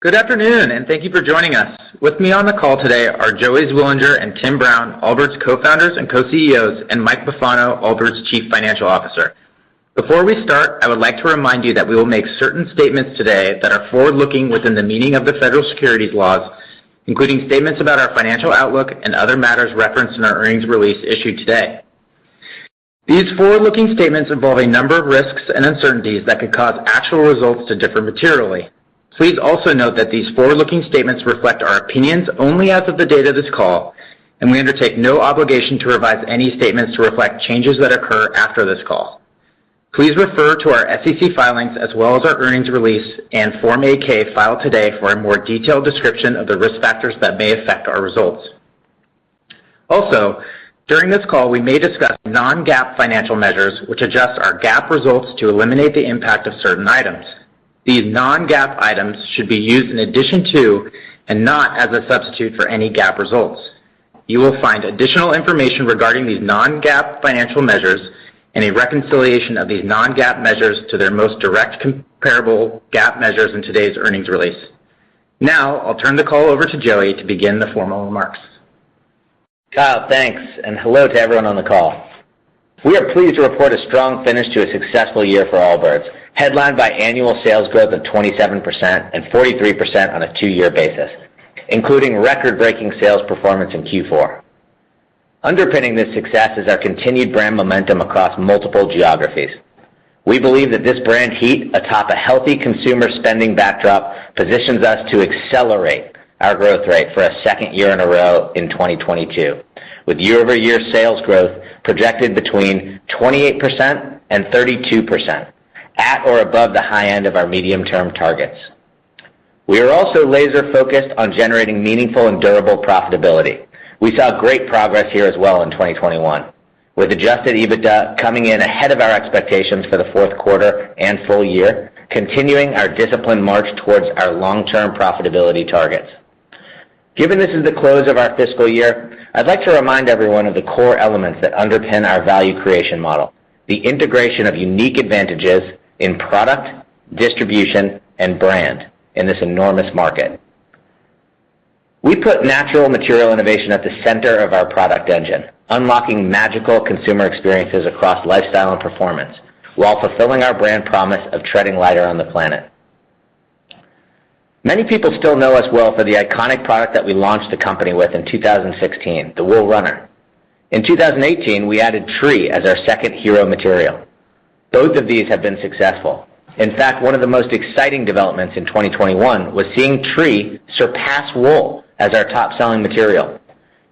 Good afternoon, and thank you for joining us. With me on the call today are Joey Zwillinger and Tim Brown, Allbirds' Co-Founders and Co-CEOs, and Mike Bufano, Allbirds' Chief Financial Officer. Before we start, I would like to remind you that we will make certain statements today that are forward-looking within the meaning of the federal securities laws, including statements about our financial outlook and other matters referenced in our earnings release issued today. These forward-looking statements involve a number of risks and uncertainties that could cause actual results to differ materially. Please also note that these forward-looking statements reflect our opinions only as of the date of this call, and we undertake no obligation to revise any statements to reflect changes that occur after this call. Please refer to our SEC filings as well as our earnings release and Form 8-K filed today for a more detailed description of the risk factors that may affect our results. Also, during this call, we may discuss non-GAAP financial measures, which adjust our GAAP results to eliminate the impact of certain items. These non-GAAP items should be used in addition to and not as a substitute for any GAAP results. You will find additional information regarding these non-GAAP financial measures and a reconciliation of these non-GAAP measures to their most direct comparable GAAP measures in today's earnings release. Now, I'll turn the call over to Joey to begin the formal remarks. Kyle, thanks, and hello to everyone on the call. We are pleased to report a strong finish to a successful year for Allbirds, headlined by annual sales growth of 27% and 43% on a two-year basis, including record-breaking sales performance in Q4. Underpinning this success is our continued brand momentum across multiple geographies. We believe that this brand heat atop a healthy consumer spending backdrop positions us to accelerate our growth rate for a second year in a row in 2022, with year-over-year sales growth projected between 28% and 32% at or above the high end of our medium-term targets. We are also laser-focused on generating meaningful and durable profitability. We saw great progress here as well in 2021, with adjusted EBITDA coming in ahead of our expectations for the fourth quarter and full year, continuing our disciplined march towards our long-term profitability targets. Given this is the close of our fiscal year, I'd like to remind everyone of the core elements that underpin our value creation model, the integration of unique advantages in product, distribution, and brand in this enormous market. We put natural material innovation at the center of our product engine, unlocking magical consumer experiences across lifestyle and performance while fulfilling our brand promise of treading lighter on the planet. Many people still know us well for the iconic product that we launched the company with in 2016, the Wool Runner. In 2018, we added Tree as our second hero material. Both of these have been successful. In fact, one of the most exciting developments in 2021 was seeing Tree surpass wool as our top-selling material.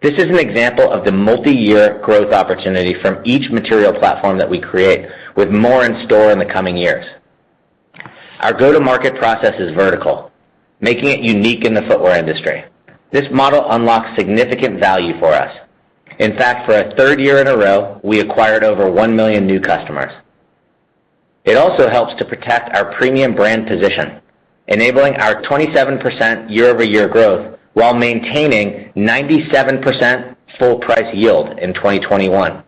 This is an example of the multi-year growth opportunity from each material platform that we create with more in store in the coming years. Our go-to-market process is vertical, making it unique in the footwear industry. This model unlocks significant value for us. In fact, for a third year in a row, we acquired over 1 million new customers. It also helps to protect our premium brand position, enabling our 27% year-over-year growth while maintaining 97% full price yield in 2021.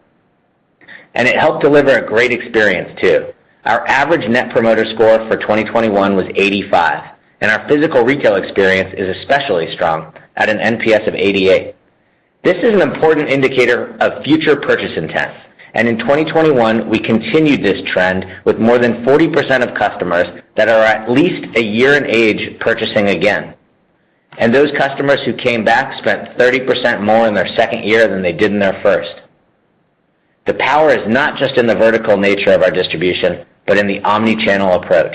It helped deliver a great experience too. Our average net promoter score for 2021 was 85, and our physical retail experience is especially strong at an NPS of 88. This is an important indicator of future purchase intent. In 2021, we continued this trend with more than 40% of customers that are at least a year in age purchasing again. Those customers who came back spent 30% more in their second year than they did in their first. The power is not just in the vertical nature of our distribution, but in the omni-channel approach.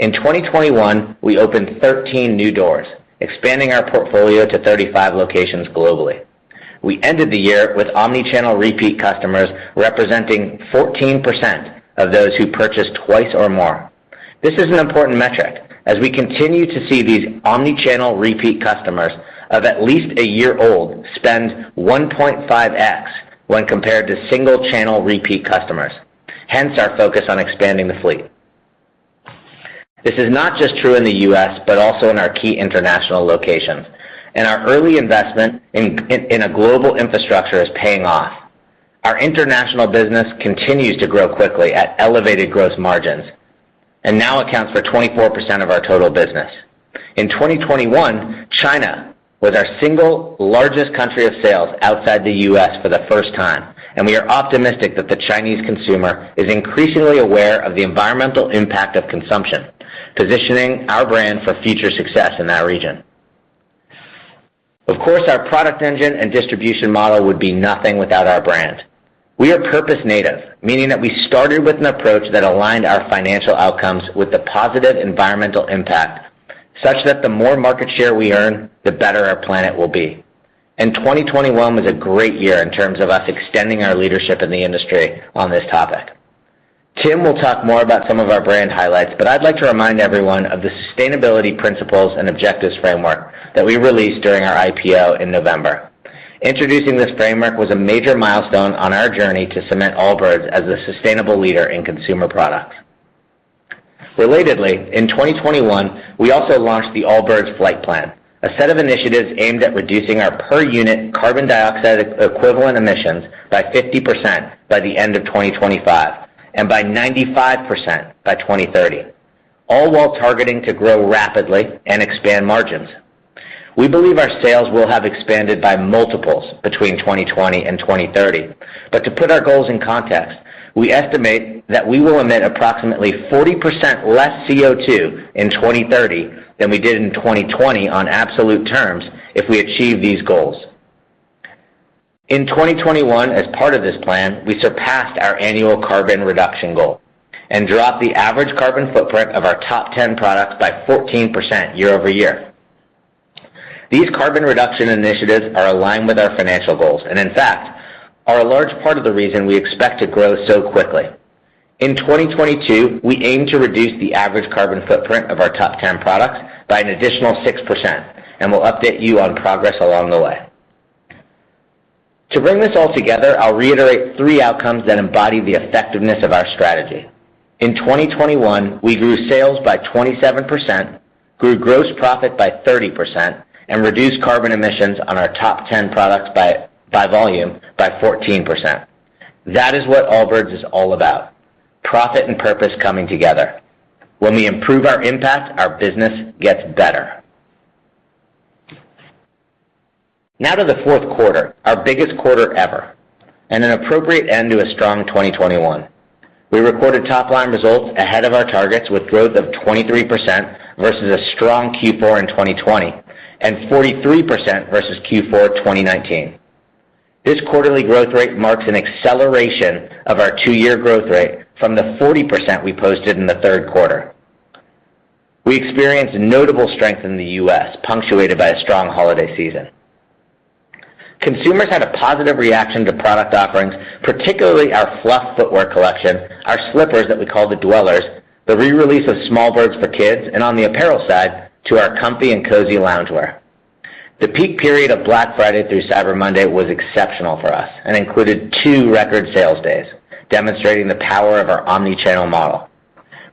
In 2021, we opened 13 new doors, expanding our portfolio to 35 locations globally. We ended the year with omni-channel repeat customers representing 14% of those who purchased twice or more. This is an important metric as we continue to see these omni-channel repeat customers of at least a year old spend 1.5x when compared to single channel repeat customers, hence our focus on expanding the fleet. This is not just true in the U.S., but also in our key international locations. Our early investment in a global infrastructure is paying off. Our international business continues to grow quickly at elevated gross margins, and now accounts for 24% of our total business. In 2021, China was our single largest country of sales outside the U.S. for the first time, and we are optimistic that the Chinese consumer is increasingly aware of the environmental impact of consumption, positioning our brand for future success in that region. Of course, our product engine and distribution model would be nothing without our brand. We are purpose-native, meaning that we started with an approach that aligned our financial outcomes with the positive environmental impact, such that the more market share we earn, the better our planet will be. 2021 was a great year in terms of us extending our leadership in the industry on this topic. Tim will talk more about some of our brand highlights, but I'd like to remind everyone of the sustainability principles and objectives framework that we released during our IPO in November. Introducing this framework was a major milestone on our journey to cement Allbirds as a sustainable leader in consumer products. Relatedly, in 2021, we also launched the Allbirds Flight Plan, a set of initiatives aimed at reducing our per unit carbon dioxide equivalent emissions by 50% by the end of 2025 and by 95% by 2030, all while targeting to grow rapidly and expand margins. We believe our sales will have expanded by multiples between 2020 and 2030. To put our goals in context, we estimate that we will emit approximately 40% less CO₂ in 2030 than we did in 2020 on absolute terms if we achieve these goals. In 2021, as part of this plan, we surpassed our annual carbon reduction goal and dropped the average carbon footprint of our top 10 products by 14% year over year. These carbon reduction initiatives are aligned with our financial goals and, in fact, are a large part of the reason we expect to grow so quickly. In 2022, we aim to reduce the average carbon footprint of our top 10 products by an additional 6%, and we'll update you on progress along the way. To bring this all together, I'll reiterate 3 outcomes that embody the effectiveness of our strategy. In 2021, we grew sales by 27%, grew gross profit by 30%, and reduced carbon emissions on our top 10 products by volume by 14%. That is what Allbirds is all about, profit and purpose coming together. When we improve our impact, our business gets better. Now to the fourth quarter, our biggest quarter ever, and an appropriate end to a strong 2021. We recorded top line results ahead of our targets with growth of 23% versus a strong Q4 in 2020, and 43% versus Q4 2019. This quarterly growth rate marks an acceleration of our two-year growth rate from the 40% we posted in the third quarter. We experienced notable strength in the U.S., punctuated by a strong holiday season. Consumers had a positive reaction to product offerings, particularly our Fluff footwear collection, our slippers that we call the Dwellers, the re-release of Smallbirds for kids, and on the apparel side, to our comfy and cozy loungewear. The peak period of Black Friday through Cyber Monday was exceptional for us and included two record sales days, demonstrating the power of our omni-channel model.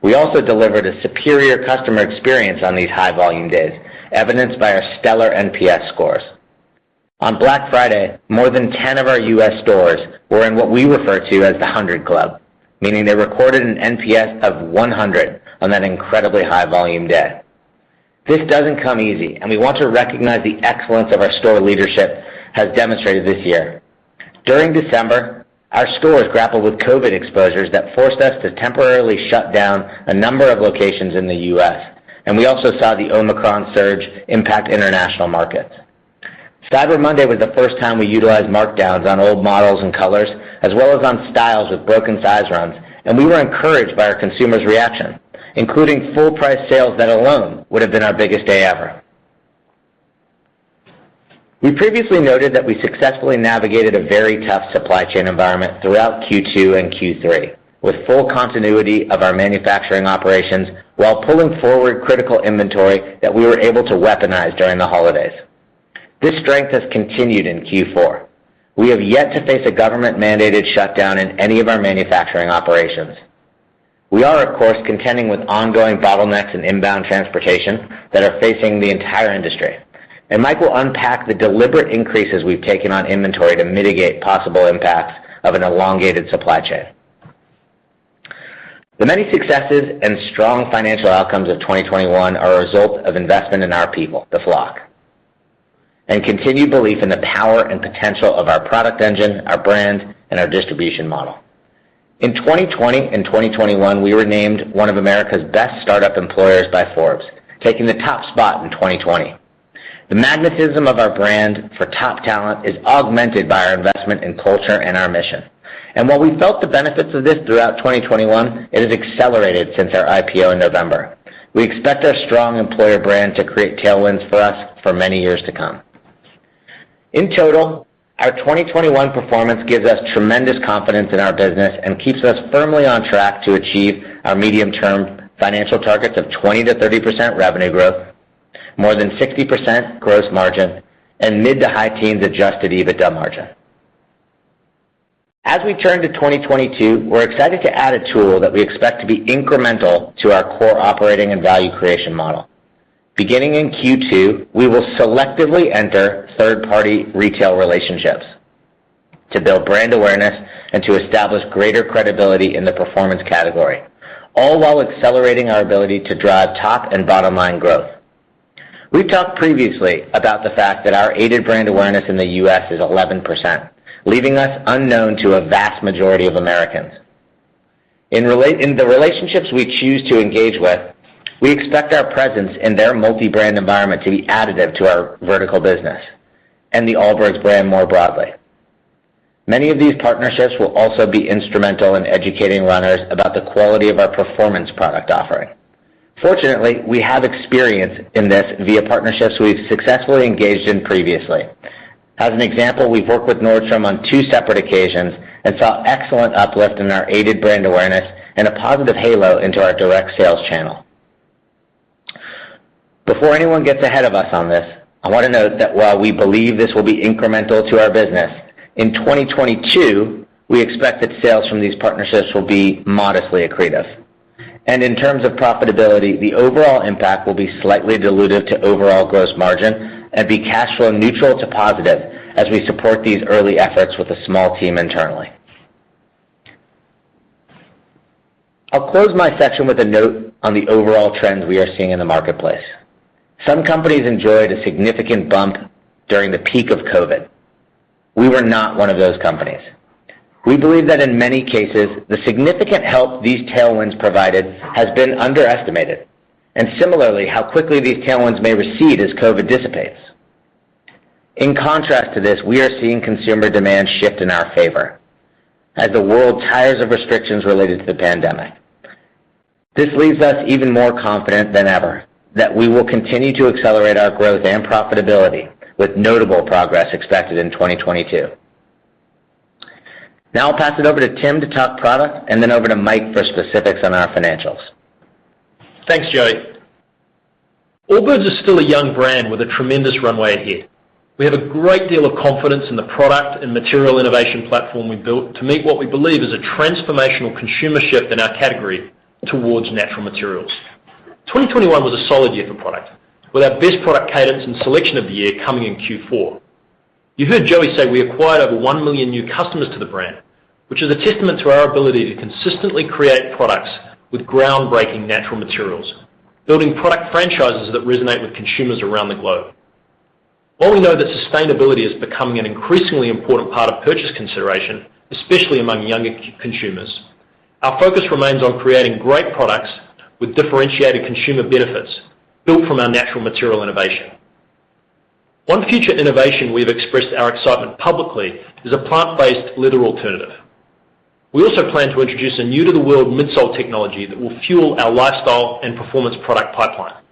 We also delivered a superior customer experience on these high volume days, evidenced by our stellar NPS scores. On Black Friday, more than 10 of our U.S. stores were in what we refer to as the Hundred Club, meaning they recorded an NPS of 100 on that incredibly high volume day. This doesn't come easy, and we want to recognize the excellence of our store leadership has demonstrated this year. During December, our stores grappled with COVID exposures that forced us to temporarily shut down a number of locations in the U.S., and we also saw the Omicron surge impact international markets. Cyber Monday was the first time we utilized markdowns on old models and colors, as well as on styles with broken size runs, and we were encouraged by our consumers' reaction, including full price sales that alone would have been our biggest day ever. We previously noted that we successfully navigated a very tough supply chain environment throughout Q2 and Q3 with full continuity of our manufacturing operations while pulling forward critical inventory that we were able to weaponize during the holidays. This strength has continued in Q4. We have yet to face a government-mandated shutdown in any of our manufacturing operations. We are, of course, contending with ongoing bottlenecks in inbound transportation that are facing the entire industry, and Mike will unpack the deliberate increases we've taken on inventory to mitigate possible impacts of an elongated supply chain. The many successes and strong financial outcomes of 2021 are a result of investment in our people, the flock, and continued belief in the power and potential of our product engine, our brand, and our distribution model. In 2020 and 2021, we were named one of America's best startup employers by Forbes, taking the top spot in 2020. The magnetism of our brand for top talent is augmented by our investment in culture and our mission. While we felt the benefits of this throughout 2021, it has accelerated since our IPO in November. We expect our strong employer brand to create tailwinds for us for many years to come. In total, our 2021 performance gives us tremendous confidence in our business and keeps us firmly on track to achieve our medium-term financial targets of 20%-30% revenue growth, more than 60% gross margin, and mid- to high-teens adjusted EBITDA margin. As we turn to 2022, we're excited to add a tool that we expect to be incremental to our core operating and value creation model. Beginning in Q2, we will selectively enter third-party retail relationships to build brand awareness and to establish greater credibility in the performance category, all while accelerating our ability to drive top and bottom line growth. We've talked previously about the fact that our aided brand awareness in the U.S. is 11%, leaving us unknown to a vast majority of Americans. In the relationships we choose to engage with, we expect our presence in their multi-brand environment to be additive to our vertical business and the Allbirds brand more broadly. Many of these partnerships will also be instrumental in educating runners about the quality of our performance product offering. Fortunately, we have experience in this via partnerships we've successfully engaged in previously. As an example, we've worked with Nordstrom on two separate occasions and saw excellent uplift in our aided brand awareness and a positive halo into our direct sales channel. Before anyone gets ahead of us on this, I want to note that while we believe this will be incremental to our business, in 2022, we expect that sales from these partnerships will be modestly accretive. In terms of profitability, the overall impact will be slightly dilutive to overall gross margin and be cash flow neutral to positive as we support these early efforts with a small team internally. I'll close my section with a note on the overall trends we are seeing in the marketplace. Some companies enjoyed a significant bump during the peak of COVID. We were not one of those companies. We believe that in many cases, the significant help these tailwinds provided has been underestimated, and similarly, how quickly these tailwinds may recede as COVID dissipates. In contrast to this, we are seeing consumer demand shift in our favor as the world tires of restrictions related to the pandemic. This leaves us even more confident than ever that we will continue to accelerate our growth and profitability with notable progress expected in 2022. Now I'll pass it over to Tim to talk product, and then over to Mike for specifics on our financials. Thanks, Joey. Allbirds is still a young brand with a tremendous runway ahead. We have a great deal of confidence in the product and material innovation platform we built to meet what we believe is a transformational consumer shift in our category towards natural materials. 2021 was a solid year for product, with our best product cadence and selection of the year coming in Q4. You heard Joey say we acquired over 1 million new customers to the brand, which is a testament to our ability to consistently create products with groundbreaking natural materials, building product franchises that resonate with consumers around the globe. While we know that sustainability is becoming an increasingly important part of purchase consideration, especially among younger consumers, our focus remains on creating great products with differentiated consumer benefits built from our natural material innovation. One future innovation we've expressed our excitement publicly is a plant-based leather alternative. We also plan to introduce a new-to-the-world midsole technology that will fuel our lifestyle and performance product pipeline.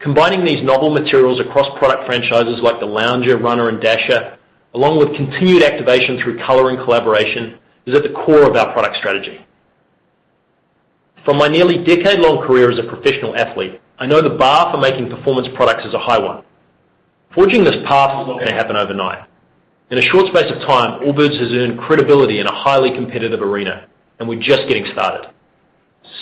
Combining these novel materials across product franchises like the Lounger, Runner, and Dasher, along with continued activation through color and collaboration, is at the core of our product strategy. From my nearly decade-long career as a professional athlete, I know the bar for making performance products is a high one. Forging this path is not gonna happen overnight. In a short space of time, Allbirds has earned credibility in a highly competitive arena, and we're just getting started.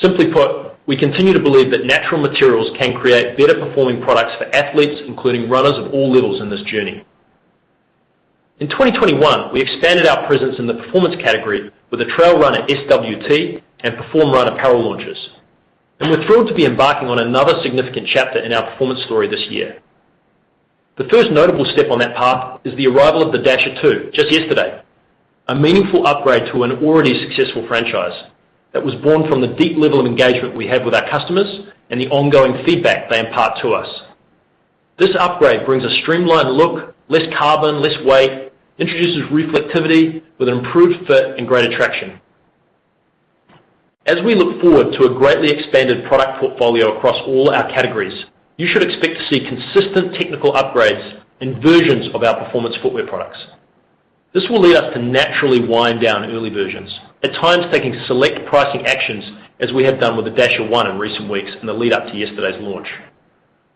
Simply put, we continue to believe that natural materials can create better performing products for athletes, including runners of all levels in this journey. In 2021, we expanded our presence in the performance category with a Trail Runner SWT and Natural Run apparel launches. We're thrilled to be embarking on another significant chapter in our performance story this year. The first notable step on that path is the arrival of the Dasher 2 just yesterday. A meaningful upgrade to an already successful franchise that was born from the deep level of engagement we have with our customers and the ongoing feedback they impart to us. This upgrade brings a streamlined look, less carbon, less weight, introduces reflectivity with improved fit and greater traction. As we look forward to a greatly expanded product portfolio across all our categories, you should expect to see consistent technical upgrades and versions of our performance footwear products. This will lead us to naturally wind down early versions, at times taking select pricing actions as we have done with the Dasher One in recent weeks in the lead-up to yesterday's launch.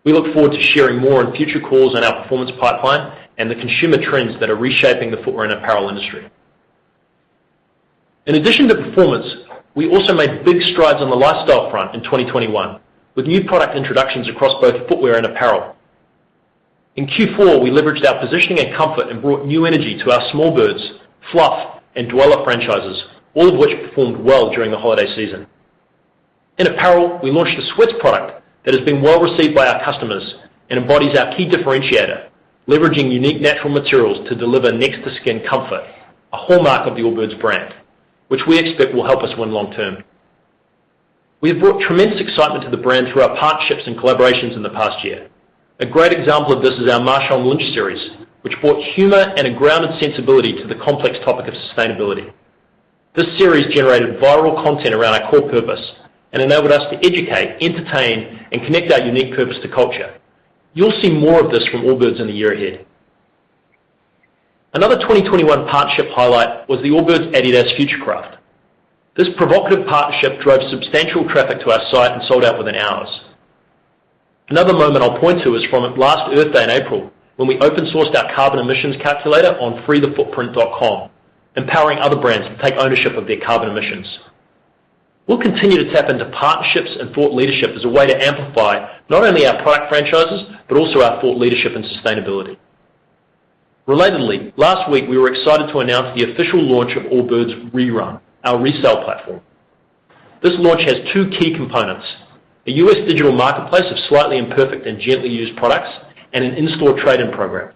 We look forward to sharing more on future calls on our performance pipeline and the consumer trends that are reshaping the footwear and apparel industry. In addition to performance, we also made big strides on the lifestyle front in 2021 with new product introductions across both footwear and apparel. In Q4, we leveraged our positioning and comfort and brought new energy to our Smallbirds, Fluff, and Dweller franchises, all of which performed well during the holiday season. In apparel, we launched a sweats product that has been well-received by our customers and embodies our key differentiator, leveraging unique natural materials to deliver next-to-skin comfort, a hallmark of the Allbirds brand, which we expect will help us win long term. We have brought tremendous excitement to the brand through our partnerships and collaborations in the past year. A great example of this is our Marshawn Lynch series, which brought humor and a grounded sensibility to the complex topic of sustainability. This series generated viral content around our core purpose and enabled us to educate, entertain, and connect our unique purpose to culture. You'll see more of this from Allbirds in the year ahead. Another 2021 partnership highlight was the Allbirds Adidas Futurecraft.Footprint. This provocative partnership drove substantial traffic to our site and sold out within hours. Another moment I'll point to is from last Earth Day in April when we open-sourced our carbon emissions calculator on freethefootprint.com, empowering other brands to take ownership of their carbon emissions. We'll continue to tap into partnerships and thought leadership as a way to amplify not only our product franchises, but also our thought leadership and sustainability. Relatedly, last week we were excited to announce the official launch of Allbirds ReRun, our resale platform. This launch has two key components, a U.S. digital marketplace of slightly imperfect and gently used products, and an in-store trade-in program.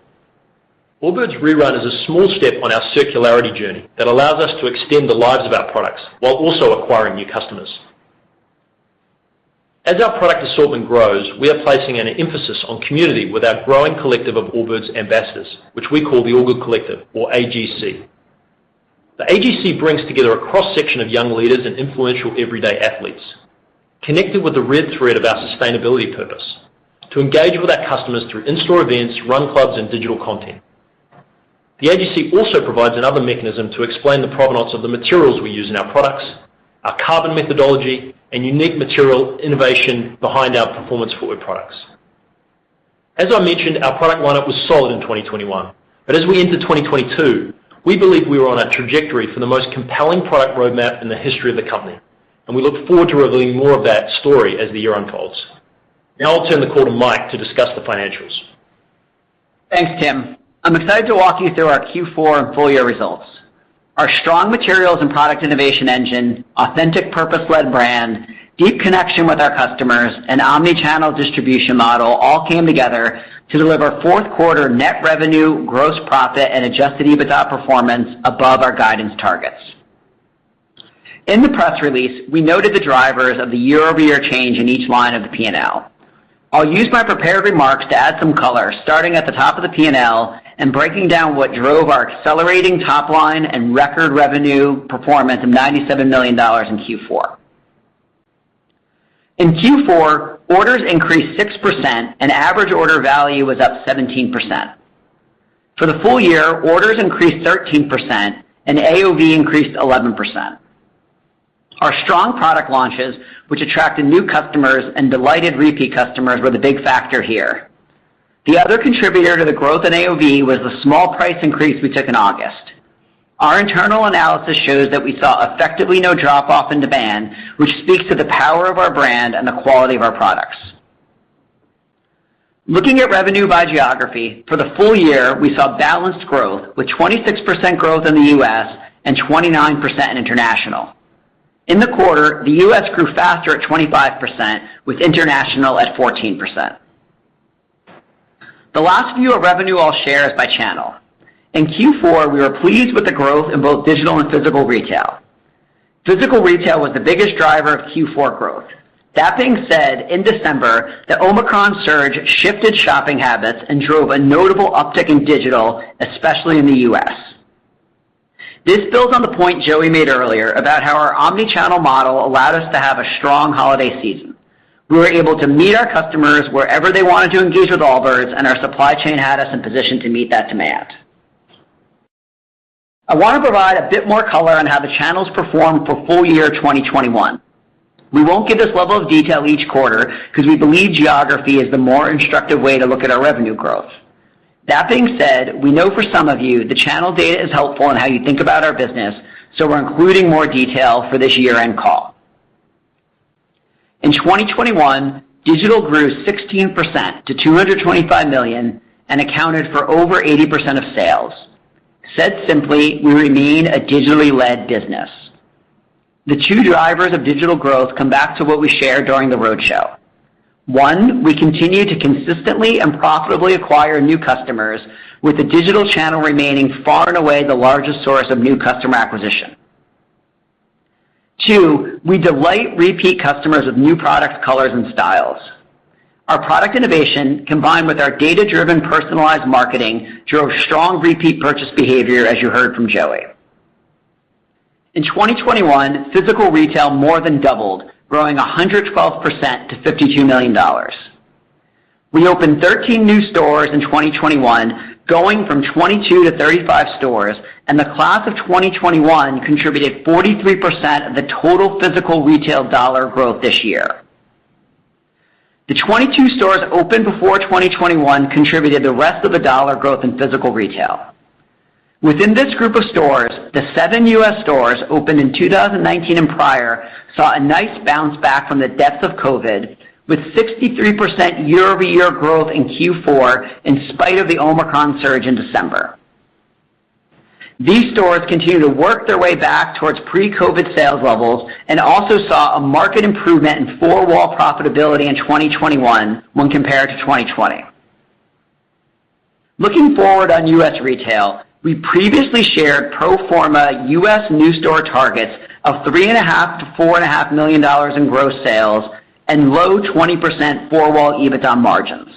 Allbirds ReRun is a small step on our circularity journey that allows us to extend the lives of our products while also acquiring new customers. As our product assortment grows, we are placing an emphasis on community with our growing collective of Allbirds ambassadors, which we call the Allbirds Collective or AGC. The AGC brings together a cross-section of young leaders and influential everyday athletes connected with the red thread of our sustainability purpose to engage with our customers through in-store events, run clubs, and digital content. The AGC also provides another mechanism to explain the provenance of the materials we use in our products, our carbon methodology, and unique material innovation behind our performance footwear products. As I mentioned, our product lineup was solid in 2021. As we enter 2022, we believe we are on a trajectory for the most compelling product roadmap in the history of the company, and we look forward to revealing more of that story as the year unfolds. Now I'll turn the call to Mike to discuss the financials. Thanks, Tim. I'm excited to walk you through our Q4 and full year results. Our strong materials and product innovation engine, authentic purpose-led brand, deep connection with our customers, and omni-channel distribution model all came together to deliver fourth quarter net revenue, gross profit, and adjusted EBITDA performance above our guidance targets. In the press release, we noted the drivers of the year-over-year change in each line of the P&L. I'll use my prepared remarks to add some color, starting at the top of the P&L and breaking down what drove our accelerating top line and record revenue performance of $97 million in Q4. In Q4, orders increased 6% and average order value was up 17%. For the full year, orders increased 13% and AOV increased 11%. Our strong product launches, which attracted new customers and delighted repeat customers, were the big factor here. The other contributor to the growth in AOV was the small price increase we took in August. Our internal analysis shows that we saw effectively no drop off in demand, which speaks to the power of our brand and the quality of our products. Looking at revenue by geography, for the full year, we saw balanced growth with 26% growth in the U.S. and 29% international. In the quarter, the U.S. grew faster at 25% with international at 14%. The last view of revenue I'll share is by channel. In Q4, we were pleased with the growth in both digital and physical retail. Physical retail was the biggest driver of Q4 growth. That being said, in December, the Omicron surge shifted shopping habits and drove a notable uptick in digital, especially in the U.S. This builds on the point Joey made earlier about how our omni-channel model allowed us to have a strong holiday season. We were able to meet our customers wherever they wanted to engage with Allbirds, and our supply chain had us in position to meet that demand. I want to provide a bit more color on how the channels performed for full year 2021. We won't give this level of detail each quarter because we believe geography is the more instructive way to look at our revenue growth. That being said, we know for some of you the channel data is helpful in how you think about our business, so we're including more detail for this year-end call. In 2021, digital grew 16% to $225 million and accounted for over 80% of sales. Said simply, we remain a digitally led business. The two drivers of digital growth come back to what we shared during the roadshow. One, we continue to consistently and profitably acquire new customers with the digital channel remaining far and away the largest source of new customer acquisition. Two, we delight repeat customers with new products, colors, and styles. Our product innovation, combined with our data-driven personalized marketing, drove strong repeat purchase behavior, as you heard from Joey. In 2021, physical retail more than doubled, growing 112% to $52 million. We opened 13 new stores in 2021, going from 22 to 35 stores, and the class of 2021 contributed 43% of the total physical retail dollar growth this year. The 22 stores opened before 2021 contributed the rest of the dollar growth in physical retail. Within this group of stores, the seven U.S. stores opened in 2019 and prior, saw a nice bounce back from the depths of COVID with 63% year-over-year growth in Q4 in spite of the Omicron surge in December. These stores continue to work their way back towards pre-COVID sales levels and also saw a marked improvement in four-wall profitability in 2021 when compared to 2020. Looking forward on U.S. retail, we previously shared pro forma U.S. new store targets of $3.5 million-$4.5 million in gross sales and low 20% four-wall EBITDA margins.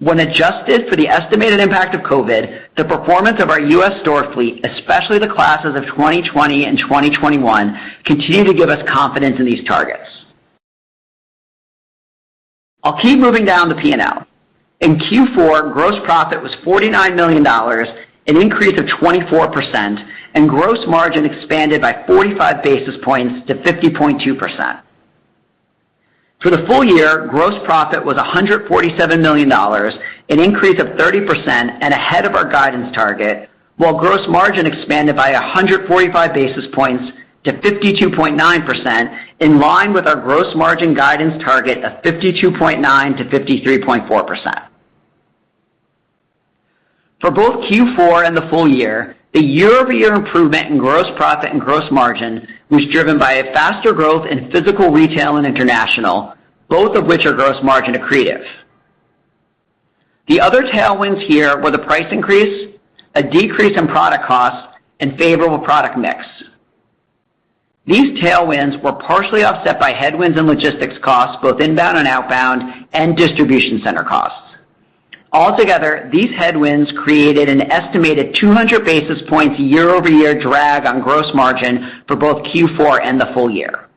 When adjusted for the estimated impact of COVID, the performance of our U.S. store fleet, especially the classes of 2020 and 2021, continue to give us confidence in these targets. I'll keep moving down the P&L. In Q4, gross profit was $49 million, an increase of 24%, and gross margin expanded by 45 basis points to 50.2%. For the full year, gross profit was $147 million, an increase of 30% and ahead of our guidance target, while gross margin expanded by 145 basis points to 52.9% in line with our gross margin guidance target of 52.9%-53.4%. For both Q4 and the full year, the year-over-year improvement in gross profit and gross margin was driven by a faster growth in physical retail and international, both of which are gross margin accretive. The other tailwinds here were the price increase, a decrease in product cost, and favorable product mix. These tailwinds were partially offset by headwinds and logistics costs, both inbound and outbound, and distribution center costs. Altogether, these headwinds created an estimated 200 basis points year-over-year drag on gross margin for both Q4 and the full year.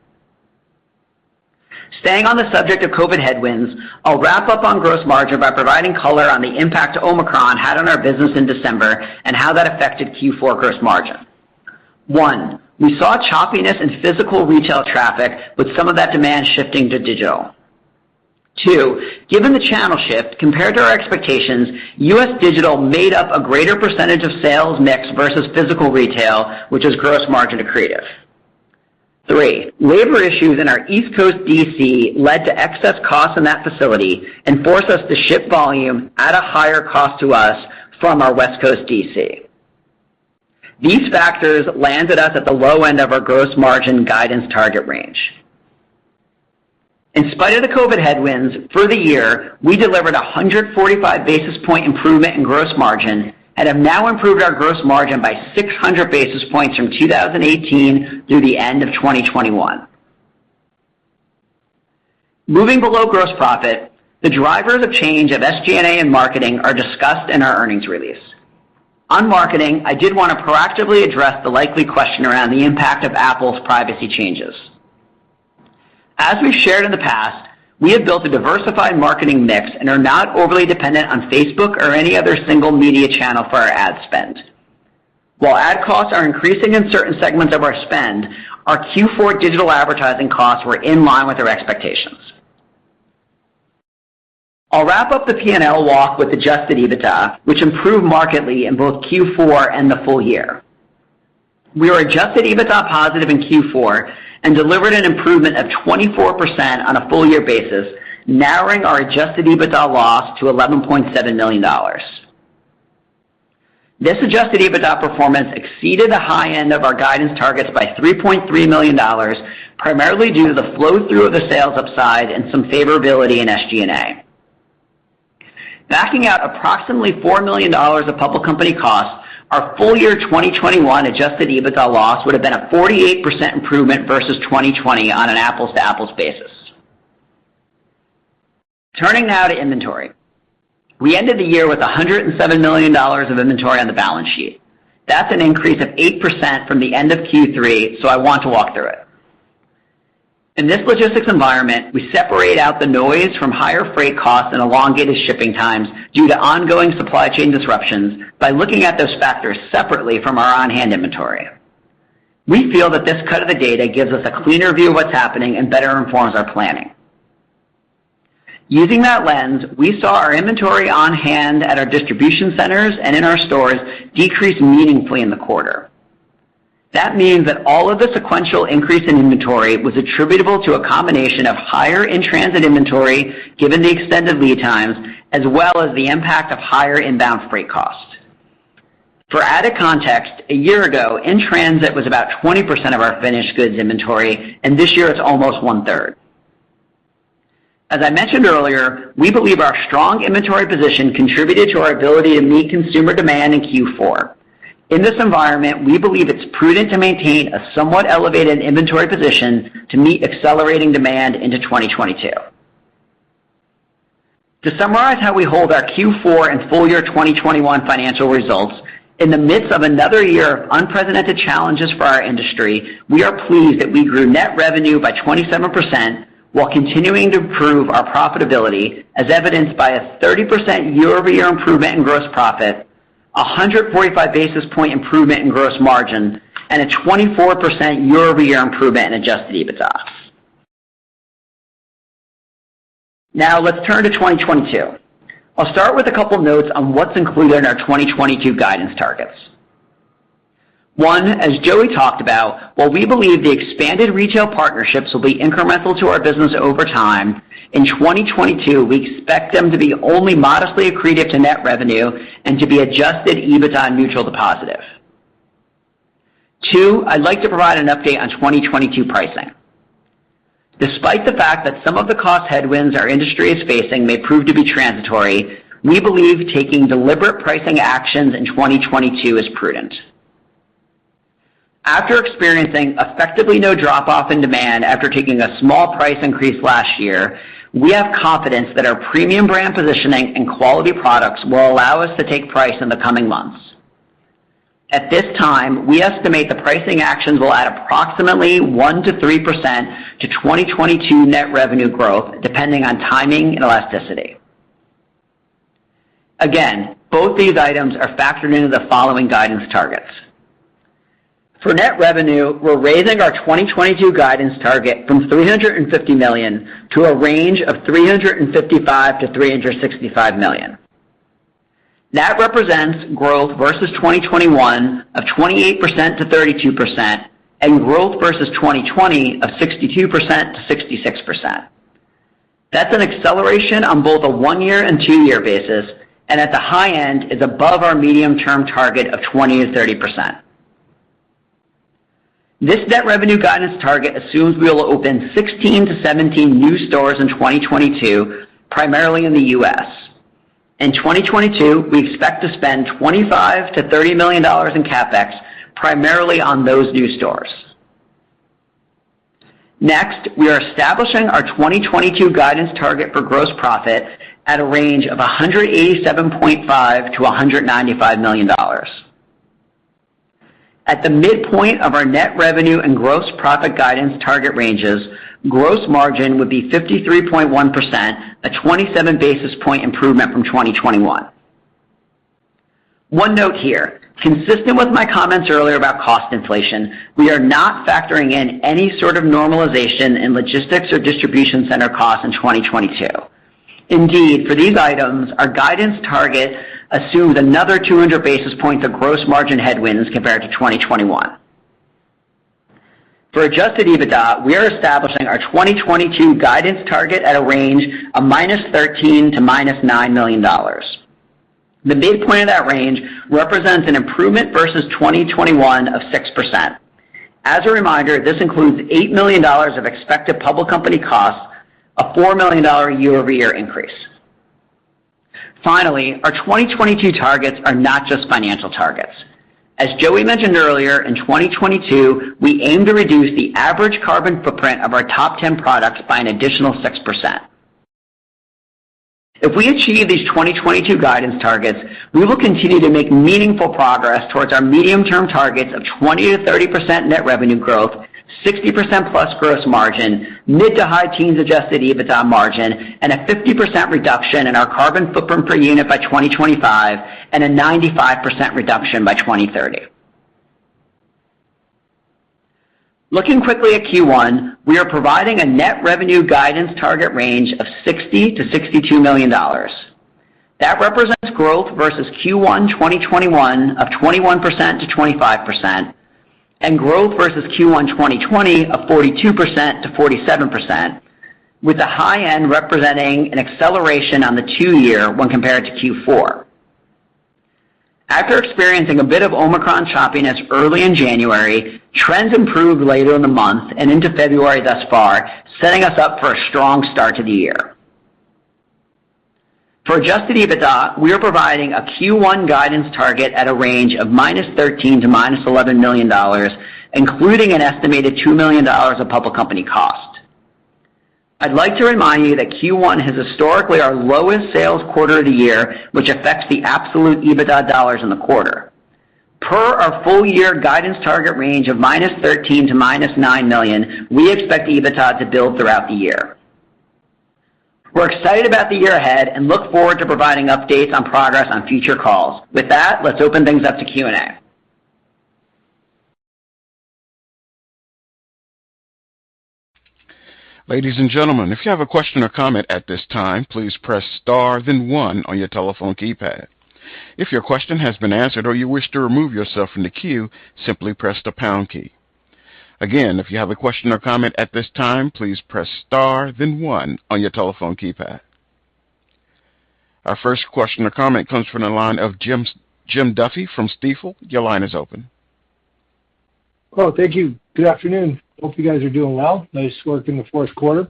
Staying on the subject of COVID headwinds, I'll wrap up on gross margin by providing color on the impact Omicron had on our business in December and how that affected Q4 gross margin. 1, we saw choppiness in physical retail traffic with some of that demand shifting to digital. 2, given the channel shift, compared to our expectations, U.S. digital made up a greater percentage of sales mix versus physical retail, which is gross margin accretive. 3, labor issues in our East Coast DC led to excess costs in that facility and forced us to ship volume at a higher cost to us from our West Coast DC. These factors landed us at the low end of our gross margin guidance target range. In spite of the COVID headwinds, for the year, we delivered a 145 basis point improvement in gross margin and have now improved our gross margin by 600 basis points from 2018 through the end of 2021. Moving below gross profit, the drivers of change of SG&A and marketing are discussed in our earnings release. On marketing, I did wanna proactively address the likely question around the impact of Apple's privacy changes. As we've shared in the past, we have built a diversified marketing mix and are not overly dependent on Facebook or any other single media channel for our ad spend. While ad costs are increasing in certain segments of our spend, our Q4 digital advertising costs were in line with our expectations. I'll wrap up the P&L walk with adjusted EBITDA, which improved markedly in both Q4 and the full year. We were adjusted EBITDA positive in Q4 and delivered an improvement of 24% on a full year basis, narrowing our adjusted EBITDA loss to $11.7 million. This adjusted EBITDA performance exceeded the high end of our guidance targets by $3.3 million, primarily due to the flow-through of the sales upside and some favorability in SG&A. Backing out approximately $4 million of public company costs, our full year 2021 adjusted EBITDA loss would have been a 48% improvement versus 2020 on an apples to apples basis. Turning now to inventory. We ended the year with $107 million of inventory on the balance sheet. That's an increase of 8% from the end of Q3, so I want to walk through it. In this logistics environment, we separate out the noise from higher freight costs and elongated shipping times due to ongoing supply chain disruptions by looking at those factors separately from our on-hand inventory. We feel that this cut of the data gives us a cleaner view of what's happening and better informs our planning. Using that lens, we saw our inventory on hand at our distribution centers and in our stores decrease meaningfully in the quarter. That means that all of the sequential increase in inventory was attributable to a combination of higher in-transit inventory, given the extended lead times, as well as the impact of higher inbound freight costs. For added context, a year ago, in-transit was about 20% of our finished goods inventory, and this year it's almost one-third. As I mentioned earlier, we believe our strong inventory position contributed to our ability to meet consumer demand in Q4. In this environment, we believe it's prudent to maintain a somewhat elevated inventory position to meet accelerating demand into 2022. To summarize how we held our Q4 and full year 2021 financial results, in the midst of another year of unprecedented challenges for our industry, we are pleased that we grew net revenue by 27% while continuing to improve our profitability, as evidenced by a 30% year-over-year improvement in gross profit, a 145 basis point improvement in gross margin, and a 24% year-over-year improvement in adjusted EBITDA. Now let's turn to 2022. I'll start with a couple notes on what's included in our 2022 guidance targets. One, as Joey talked about, while we believe the expanded retail partnerships will be incremental to our business over time, in 2022, we expect them to be only modestly accretive to net revenue and to be adjusted EBITDA neutral to positive. Two, I'd like to provide an update on 2022 pricing. Despite the fact that some of the cost headwinds our industry is facing may prove to be transitory, we believe taking deliberate pricing actions in 2022 is prudent. After experiencing effectively no drop off in demand after taking a small price increase last year, we have confidence that our premium brand positioning and quality products will allow us to take price in the coming months. At this time, we estimate the pricing actions will add approximately 1%-3% to 2022 net revenue growth, depending on timing and elasticity. Again, both these items are factored into the following guidance targets. For net revenue, we're raising our 2022 guidance target from $350 million to $355 million-$365 million. That represents growth versus 2021 of 28%-32% and growth versus 2020 of 62%-66%. That's an acceleration on both a one-year and two-year basis, and at the high end is above our medium-term target of 20%-30%. This net revenue guidance target assumes we will open 16-17 new stores in 2022, primarily in the U.S. In 2022, we expect to spend $25 million-$30 million in CapEx, primarily on those new stores. Next, we are establishing our 2022 guidance target for gross profit at a range of $187.5 million-$195 million. At the midpoint of our net revenue and gross profit guidance target ranges, gross margin would be 53.1%, a 27 basis point improvement from 2021. One note here. Consistent with my comments earlier about cost inflation, we are not factoring in any sort of normalization in logistics or distribution center costs in 2022. Indeed, for these items, our guidance target assumes another 200 basis points of gross margin headwinds compared to 2021. For adjusted EBITDA, we are establishing our 2022 guidance target at a range of -$13 million-$9 million. The midpoint of that range represents an improvement versus 2021 of 6%. As a reminder, this includes $8 million of expected public company costs, a $4 million year-over-year increase. Finally, our 2022 targets are not just financial targets. As Joey mentioned earlier, in 2022, we aim to reduce the average carbon footprint of our top ten products by an additional 6%. If we achieve these 2022 guidance targets, we will continue to make meaningful progress towards our medium-term targets of 20%-30% net revenue growth, 60%+ gross margin, mid- to high-teens adjusted EBITDA margin, and a 50% reduction in our carbon footprint per unit by 2025 and a 95% reduction by 2030. Looking quickly at Q1, we are providing a net revenue guidance target range of $60 million-$62 million. That represents growth versus Q1 2021 of 21%-25% and growth versus Q1 2020 of 42%-47%, with the high end representing an acceleration on the two-year when compared to Q4. After experiencing a bit of Omicron choppiness early in January, trends improved later in the month and into February thus far, setting us up for a strong start to the year. For Adjusted EBITDA, we are providing a Q1 guidance target at a range of -$13 million to -$11 million, including an estimated $2 million of public company cost. I'd like to remind you that Q1 is historically our lowest sales quarter of the year, which affects the absolute EBITDA dollars in the quarter. Per our full year guidance target range of -$13 million to -$9 million, we expect EBITDA to build throughout the year. We're excited about the year ahead and look forward to providing updates on progress on future calls. With that, let's open things up to Q&A. Ladies and gentlemen, if you have a question or comment at this time, please press star, then one on your telephone keypad. If your question has been answered or you wish to remove yourself from the queue, simply press the pound key. Again, if you have a question or comment at this time, please press star then one on your telephone keypad. Our first question or comment comes from the line of Jim Duffy from Stifel. Your line is open. Well, thank you. Good afternoon. Hope you guys are doing well. Nice work in the fourth quarter.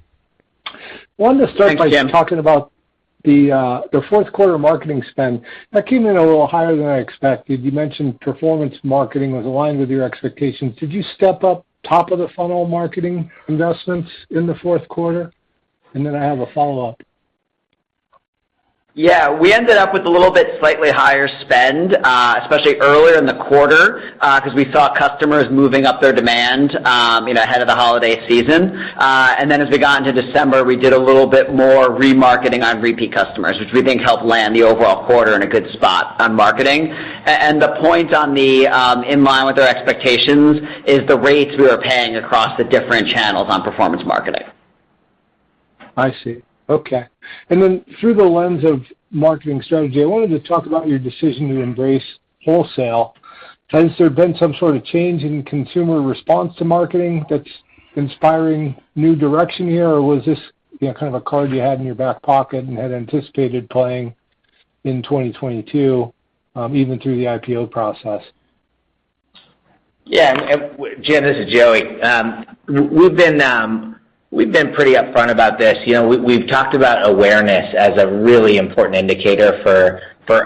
Thanks, Jim. wanted to start by talking about the fourth quarter marketing spend. That came in a little higher than I expected. You mentioned performance marketing was aligned with your expectations. Did you step up top of the funnel marketing investments in the fourth quarter? Then I have a follow-up. Yeah. We ended up with a little bit slightly higher spend, especially earlier in the quarter, 'cause we saw customers moving up their demand, you know, ahead of the holiday season. As we got into December, we did a little bit more remarketing on repeat customers, which we think helped land the overall quarter in a good spot on marketing. The point on them, in line with our expectations, is the rates we are paying across the different channels on performance marketing. I see. Okay. Then through the lens of marketing strategy, I wanted to talk about your decision to embrace wholesale. Has there been some sort of change in consumer response to marketing that's inspiring new direction here, or was this, you know, kind of a card you had in your back pocket and had anticipated playing in 2022, even through the IPO process? Yeah. Jim, this is Joey. We've been pretty upfront about this. You know, we've talked about awareness as a really important indicator for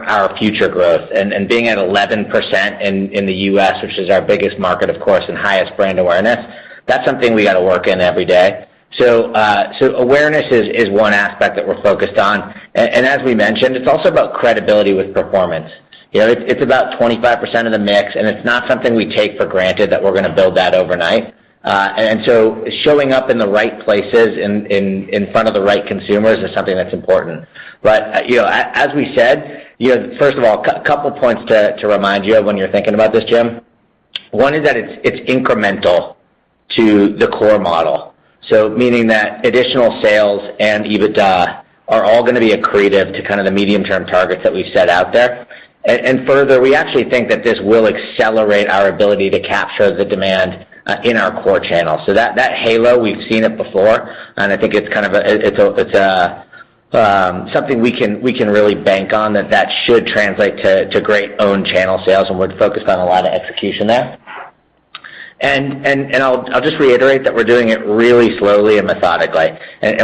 our future growth and being at 11% in the U.S., which is our biggest market, of course, and highest brand awareness, that's something we gotta work on every day. Awareness is one aspect that we're focused on. As we mentioned, it's also about credibility with performance. You know, it's about 25% of the mix, and it's not something we take for granted that we're gonna build that overnight. Showing up in the right places in front of the right consumers is something that's important. You know, as we said, you know, first of all, couple points to remind you of when you're thinking about this, Jim. One is that it's incremental to the core model. Meaning that additional sales and EBITDA are all gonna be accretive to kind of the medium-term targets that we've set out there. Further, we actually think that this will accelerate our ability to capture the demand in our core channel. That halo, we've seen it before, and I think it's kind of something we can really bank on that should translate to great own channel sales, and we're focused on a lot of execution there. I'll just reiterate that we're doing it really slowly and methodically.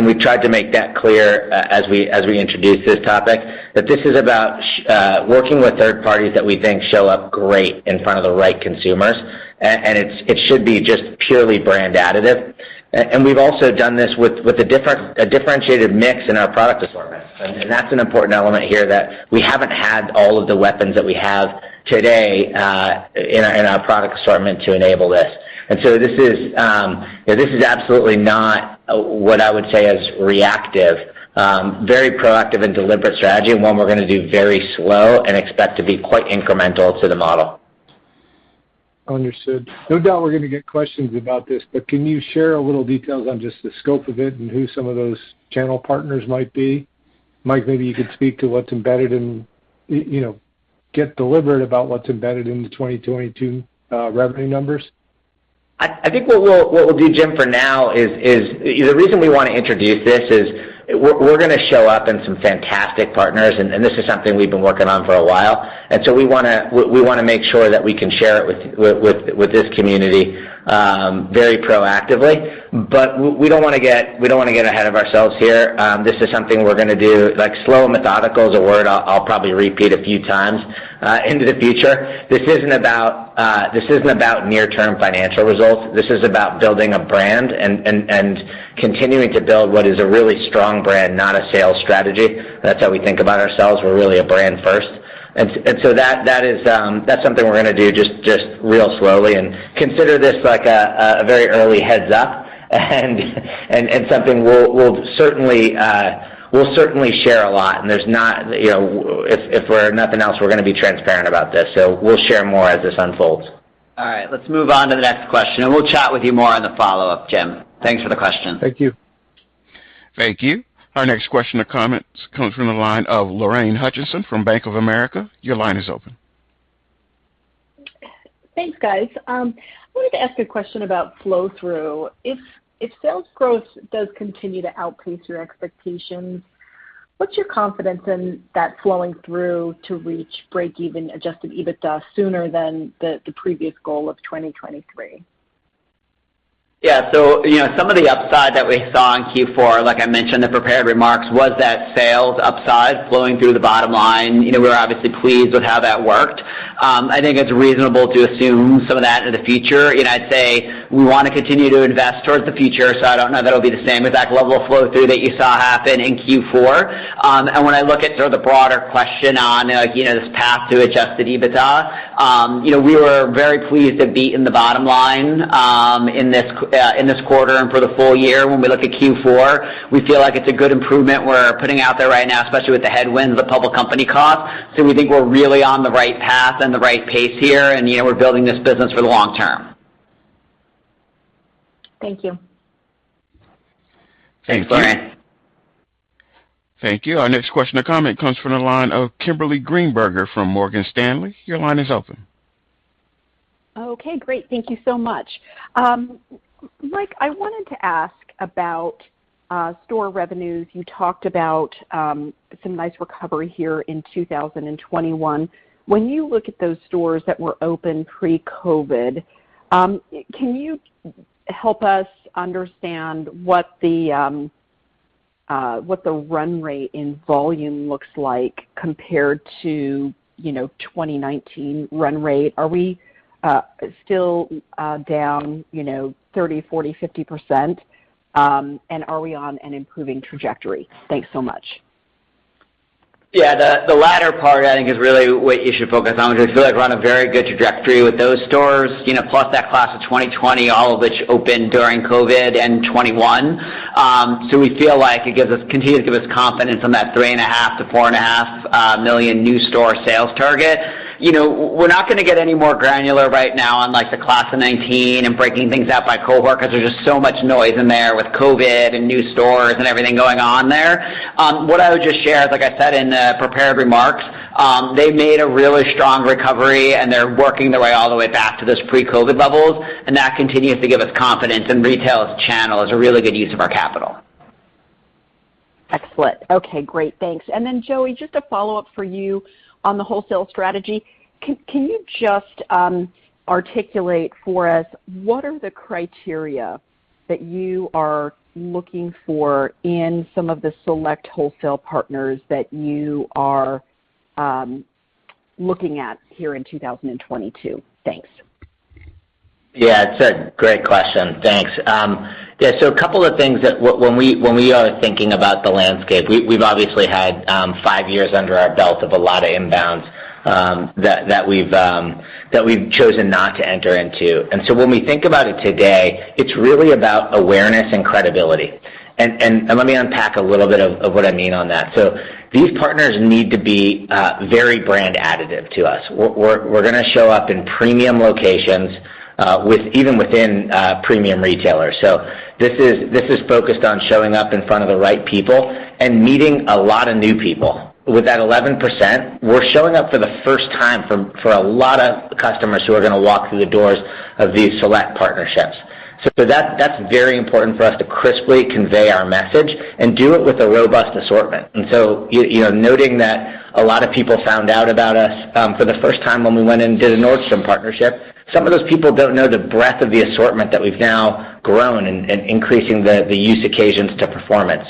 We've tried to make that clear as we introduce this topic, that this is about working with third parties that we think show up great in front of the right consumers. It should be just purely brand additive. We've also done this with a differentiated mix in our product assortment. That's an important element here that we haven't had all of the weapons that we have today in our product assortment to enable this. This is absolutely not what I would say is reactive, very proactive and deliberate strategy and one we're gonna do very slow and expect to be quite incremental to the model. Understood. No doubt we're gonna get questions about this, but can you share a little details on just the scope of it and who some of those channel partners might be? Mike, maybe you could speak to what's embedded in, you know, get deliberate about what's embedded in the 2022 revenue numbers. I think what we'll do, Jim, for now is the reason we wanna introduce this is we're gonna show up in some fantastic partners, and this is something we've been working on for a while. We wanna make sure that we can share it with this community very proactively. But we don't wanna get ahead of ourselves here. This is something we're gonna do. Like, slow and methodical is a word I'll probably repeat a few times into the future. This isn't about near-term financial results. This is about building a brand and continuing to build what is a really strong brand, not a sales strategy. That's how we think about ourselves. We're really a brand first. that is something we're gonna do just real slowly. Consider this like a very early heads-up and something we'll certainly share a lot, and there's not you know. If we're nothing else, we're gonna be transparent about this. We'll share more as this unfolds. All right, let's move on to the next question, and we'll chat with you more on the follow-up, Jim. Thanks for the question. Thank you. Thank you. Our next question or comment comes from the line of Lorraine Hutchinson from Bank of America. Your line is open. Thanks, guys. I wanted to ask a question about flow-through. If sales growth does continue to outpace your expectations, what's your confidence in that flowing through to reach break-even adjusted EBITDA sooner than the previous goal of 2023? Yeah. You know, some of the upside that we saw in Q4, like I mentioned in the prepared remarks, was that sales upside flowing through the bottom line. You know, we were obviously pleased with how that worked. I think it's reasonable to assume some of that in the future. You know, I'd say we wanna continue to invest towards the future, so I don't know if that'll be the same exact level of flow-through that you saw happen in Q4. When I look at sort of the broader question on, you know, this path to adjusted EBITDA, you know, we were very pleased to have beaten the bottom line, in this quarter and for the full year. When we look at Q4, we feel like it's a good improvement we're putting out there right now, especially with the headwinds of public company costs. We think we're really on the right path and the right pace here, and, you know, we're building this business for the long term. Thank you. Thanks, Lorraine. Thank you. Our next question or comment comes from the line of Kimberly Greenberger from Morgan Stanley. Your line is open. Okay, great. Thank you so much. Mike, I wanted to ask about store revenues. You talked about some nice recovery here in 2021. When you look at those stores that were open pre-COVID, can you help us understand what the run rate in volume looks like compared to, you know, 2019 run rate? Are we still down, you know, 30, 40, 50%? Are we on an improving trajectory? Thanks so much. Yeah. The latter part, I think, is really what you should focus on because I feel like we're on a very good trajectory with those stores, you know, plus that class of 2020, all of which opened during COVID and 2021. So we feel like it gives us continues to give us confidence on that $3.5 million-$4.5 million new store sales target. You know, we're not gonna get any more granular right now on, like, the class of 2019 and breaking things out by cohort because there's just so much noise in there with COVID and new stores and everything going on there. What I would just share is, like I said in the prepared remarks, they made a really strong recovery, and they're working their way all the way back to those pre-COVID levels, and that continues to give us confidence in retail as a channel as a really good use of our capital. Excellent. Okay, great. Thanks. Joey, just a follow-up for you on the wholesale strategy. Can you just articulate for us what are the criteria that you are looking for in some of the select wholesale partners that you are looking at here in 2022? Thanks. Yeah. It's a great question. Thanks. Yeah, so a couple of things that when we are thinking about the landscape, we've obviously had five years under our belt of a lot of inbounds that we've chosen not to enter into. When we think about it today, it's really about awareness and credibility. Let me unpack a little bit of what I mean on that. These partners need to be very brand additive to us. We're gonna show up in premium locations within premium retailers. This is focused on showing up in front of the right people and meeting a lot of new people. With that 11%, we're showing up for the first time for a lot of customers who are gonna walk through the doors of these select partnerships. That, that's very important for us to crisply convey our message and do it with a robust assortment. You know, noting that a lot of people found out about us for the first time when we went and did a Nordstrom partnership, some of those people don't know the breadth of the assortment that we've now grown and increasing the use occasions to performance.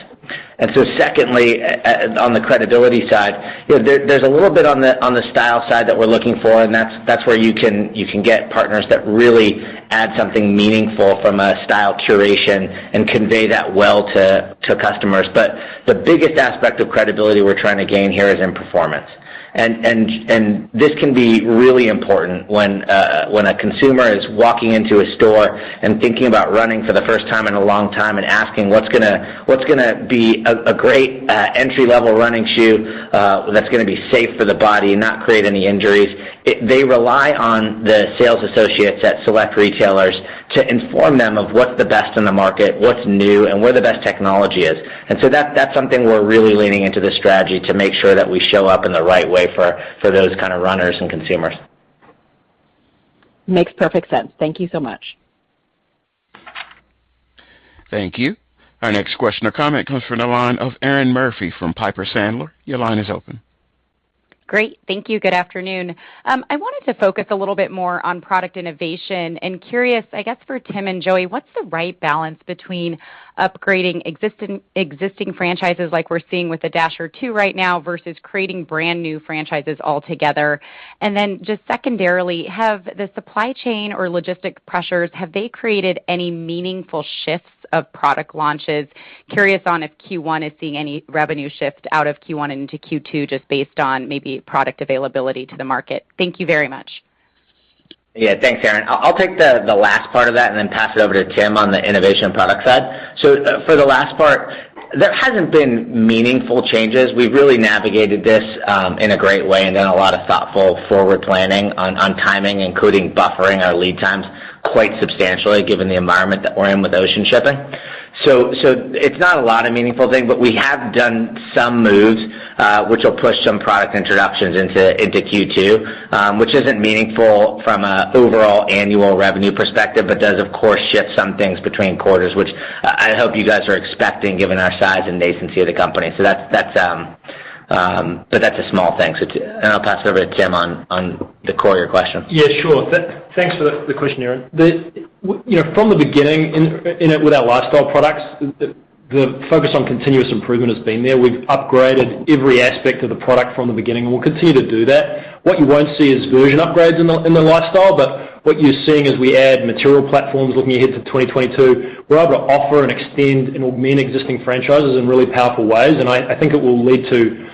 Secondly, on the credibility side, you know, there's a little bit on the style side that we're looking for, and that's where you can get partners that really add something meaningful from a style curation and convey that well to customers. But the biggest aspect of credibility we're trying to gain here is in performance. This can be really important when a consumer is walking into a store and thinking about running for the first time in a long time and asking what's gonna be a great entry-level running shoe that's gonna be safe for the body and not create any injuries. They rely on the sales associates at select retailers to inform them of what's the best in the market, what's new, and where the best technology is. That's something we're really leaning into this strategy to make sure that we show up in the right way for those kind of runners and consumers. Makes perfect sense. Thank you so much. Thank you. Our next question or comment comes from the line of Erinn Murphy from Piper Sandler. Your line is open. Great. Thank you. Good afternoon. I wanted to focus a little bit more on product innovation and curious, I guess, for Tim and Joey, what's the right balance between upgrading existing franchises like we're seeing with the Dasher 2 right now versus creating brand new franchises altogether? Just secondarily, have the supply chain or logistic pressures created any meaningful shifts of product launches? Curious on if Q1 is seeing any revenue shift out of Q1 into Q2 just based on maybe product availability to the market. Thank you very much. Yeah. Thanks, Erinn. I'll take the last part of that and then pass it over to Tim on the innovation product side. For the last part, there hasn't been meaningful changes. We've really navigated this in a great way and done a lot of thoughtful forward planning on timing, including buffering our lead times quite substantially given the environment that we're in with ocean shipping. It's not a lot of meaningful things, but we have done some moves which will push some product introductions into Q2, which isn't meaningful from an overall annual revenue perspective, but does of course shift some things between quarters, which I hope you guys are expecting given our size and nascency of the company. That's a small thing. I'll pass it over to Tim on the core of your question. Yeah, sure. Thanks for the question, Erin. From the beginning with our lifestyle products, the focus on continuous improvement has been there. We've upgraded every aspect of the product from the beginning, and we'll continue to do that. What you won't see is version upgrades in the lifestyle, but what you're seeing is we add material platforms looking ahead to 2022. We're able to offer and extend in many existing franchises in really powerful ways, and I think it will lead to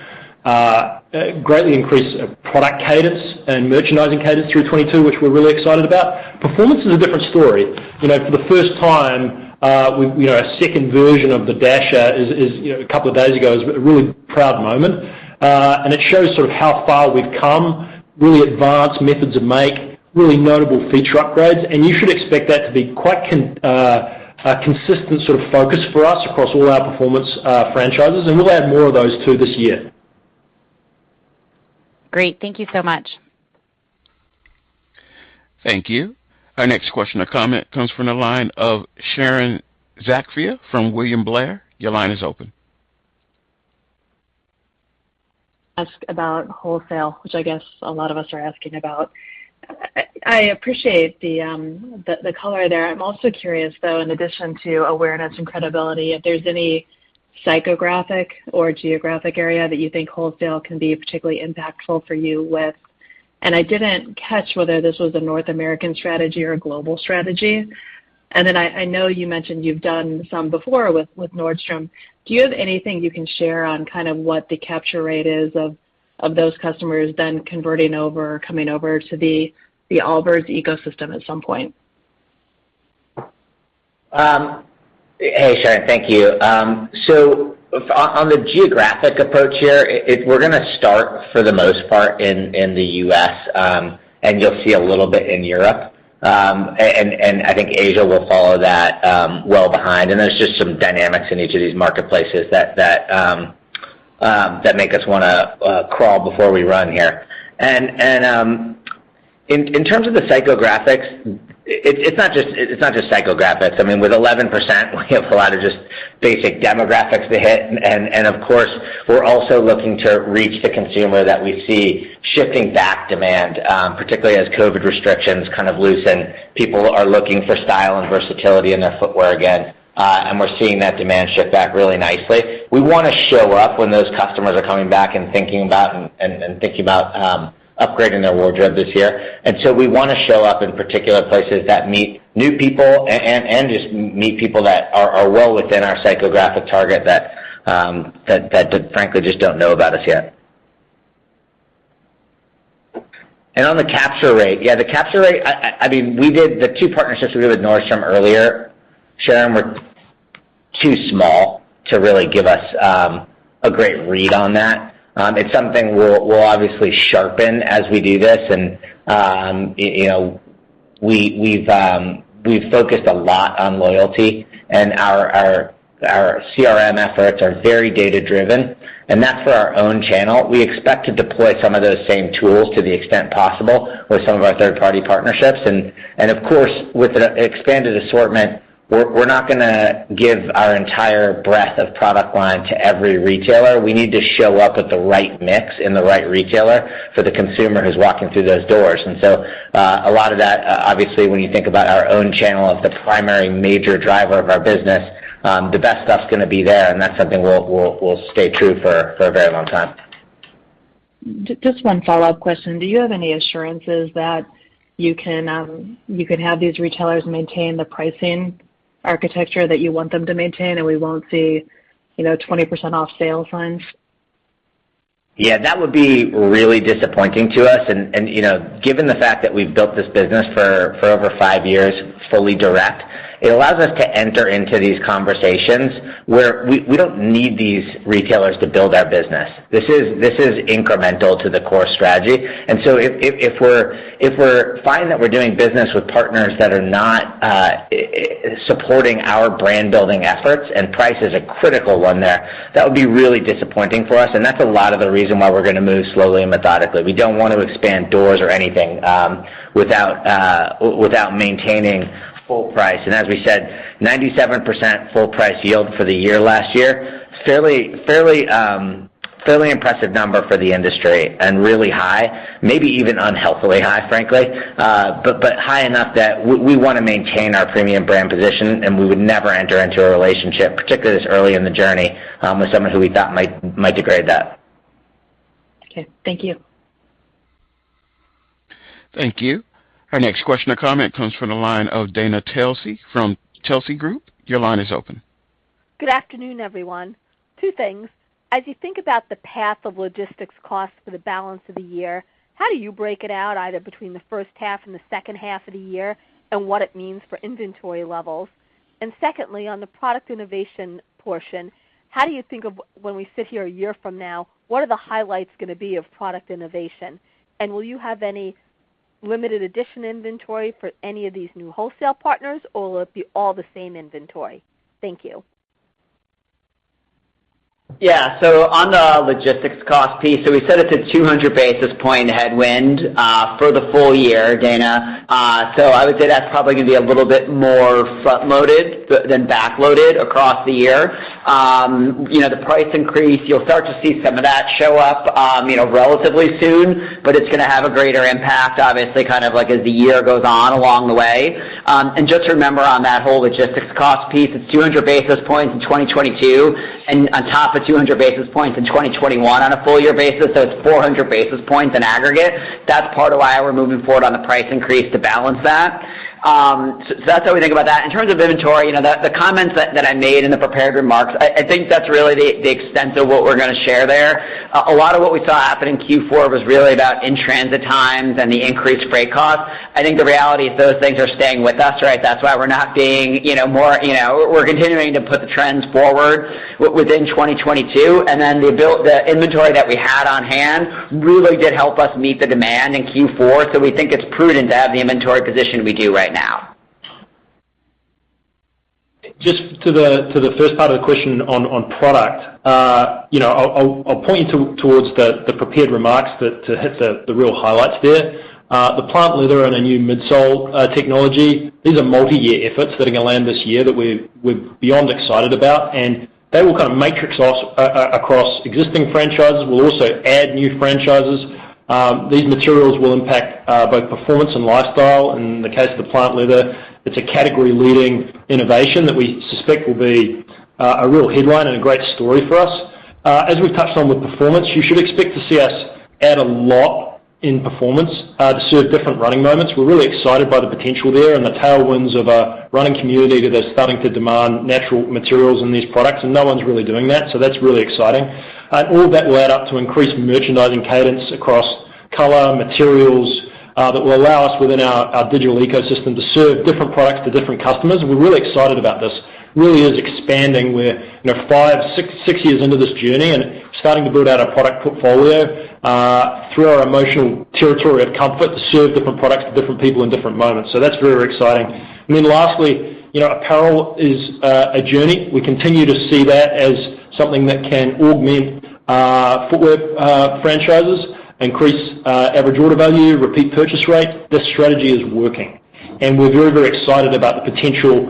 greatly increased product cadence and merchandising cadence through 2022, which we're really excited about. Performance is a different story. For the first time, a second version of the Dasher is a couple of days ago is a really proud moment. It shows sort of how far we've come, really advanced methods of making, really notable feature upgrades, and you should expect that to be quite a consistent sort of focus for us across all our performance franchises, and we'll add more of those too this year. Great. Thank you so much. Thank you. Our next question or comment comes from the line of Sharon Zackfia from William Blair. Your line is open. Ask about wholesale, which I guess a lot of us are asking about. I appreciate the color there. I'm also curious, though, in addition to awareness and credibility, if there's any psychographic or geographic area that you think wholesale can be particularly impactful for you with. I didn't catch whether this was a North American strategy or a global strategy. I know you mentioned you've done some before with Nordstrom. Do you have anything you can share on kind of what the capture rate is of those customers then converting over or coming over to the Allbirds ecosystem at some point? Hey, Sharon. Thank you. On the geographic approach here, we're gonna start for the most part in the U.S., and you'll see a little bit in Europe, and I think Asia will follow that well behind. There's just some dynamics in each of these marketplaces that make us wanna crawl before we run here. In terms of the psychographics, it's not just psychographics. I mean, with 11%, we have a lot of just basic demographics to hit. Of course, we're also looking to reach the consumer that we see shifting back demand, particularly as COVID restrictions kind of loosen. People are looking for style and versatility in their footwear again, and we're seeing that demand shift back really nicely. We wanna show up when those customers are coming back and thinking about upgrading their wardrobe this year. We wanna show up in particular places that meet new people and just meet people that are well within our psychographic target that frankly just don't know about us yet. On the capture rate, yeah, the capture rate, I mean, we did the two partnerships we did with Nordstrom earlier, Sharon, were too small to really give us a great read on that. It's something we'll obviously sharpen as we do this. You know, we've focused a lot on loyalty, and our CRM efforts are very data-driven, and that's for our own channel. We expect to deploy some of those same tools to the extent possible with some of our third-party partnerships. Of course, with an expanded assortment, we're not gonna give our entire breadth of product line to every retailer. We need to show up with the right mix and the right retailer for the consumer who's walking through those doors. A lot of that obviously when you think about our own channel as the primary major driver of our business, the best stuff's gonna be there, and that's something we'll stay true for a very long time. Just one follow-up question. Do you have any assurances that you can have these retailers maintain the pricing. Architecture that you want them to maintain, and we won't see, you know, 20% off sale signs? Yeah, that would be really disappointing to us. You know, given the fact that we've built this business for over five years, fully direct, it allows us to enter into these conversations where we don't need these retailers to build our business. This is incremental to the core strategy. If we're finding that we're doing business with partners that are not supporting our brand-building efforts, and price is a critical one there, that would be really disappointing for us, and that's a lot of the reason why we're gonna move slowly and methodically. We don't want to expand doors or anything without maintaining full price. As we said, 97% full price yield for the year last year, fairly impressive number for the industry and really high, maybe even unhealthily high, frankly. But high enough that we wanna maintain our premium brand position, and we would never enter into a relationship, particularly this early in the journey, with someone who we thought might degrade that. Okay. Thank you. Thank you. Our next question or comment comes from the line of Dana Telsey from Telsey Advisory Group. Your line is open. Good afternoon, everyone. Two things. As you think about the path of logistics costs for the balance of the year, how do you break it out, either between the first half and the second half of the year and what it means for inventory levels? Secondly, on the product innovation portion, how do you think of when we sit here a year from now, what are the highlights gonna be of product innovation? Will you have any limited edition inventory for any of these new wholesale partners, or will it be all the same inventory? Thank you. On the logistics cost piece, we said it's a 200 basis point headwind for the full year, Dana. I would say that's probably gonna be a little bit more front-loaded than back-loaded across the year. You know, the price increase, you'll start to see some of that show up, you know, relatively soon, but it's gonna have a greater impact, obviously, kind of like as the year goes on along the way. Just remember on that whole logistics cost piece, it's 200 basis points in 2022, and on top of 200 basis points in 2021 on a full year basis, so it's 400 basis points in aggregate. That's part of why we're moving forward on the price increase to balance that. That's how we think about that. In terms of inventory, you know, the comments that I made in the prepared remarks, I think that's really the extent of what we're gonna share there. A lot of what we saw happen in Q4 was really about in-transit times and the increased freight costs. I think the reality is those things are staying with us, right? That's why we're not being, you know, more, you know. We're continuing to put the trends forward within 2022, and then the inventory that we had on hand really did help us meet the demand in Q4. So we think it's prudent to have the inventory position we do right now. Just to the first part of the question on product, you know, I'll point you towards the prepared remarks that hit the real highlights there. The plant leather and a new midsole technology, these are multi-year efforts that are gonna land this year that we're beyond excited about, and they will kind of matrix off across existing franchises. We'll also add new franchises. These materials will impact both performance and lifestyle. In the case of the plant leather, it's a category-leading innovation that we suspect will be a real headline and a great story for us. As we've touched on with performance, you should expect to see us add a lot in performance to serve different running moments. We're really excited by the potential there and the tailwinds of a running community that are starting to demand natural materials in these products, and no one's really doing that, so that's really exciting. All of that will add up to increased merchandising cadence across color, materials, that will allow us within our digital ecosystem to serve different products to different customers. We're really excited about this. It really is expanding. We're, you know, 5, 6 years into this journey and starting to build out our product portfolio through our emotional territory of comfort to serve different products to different people in different moments. That's very exciting. Lastly, you know, apparel is a journey. We continue to see that as something that can augment footwear franchises, increase average order value, repeat purchase rate. This strategy is working, and we're very, very excited about the potential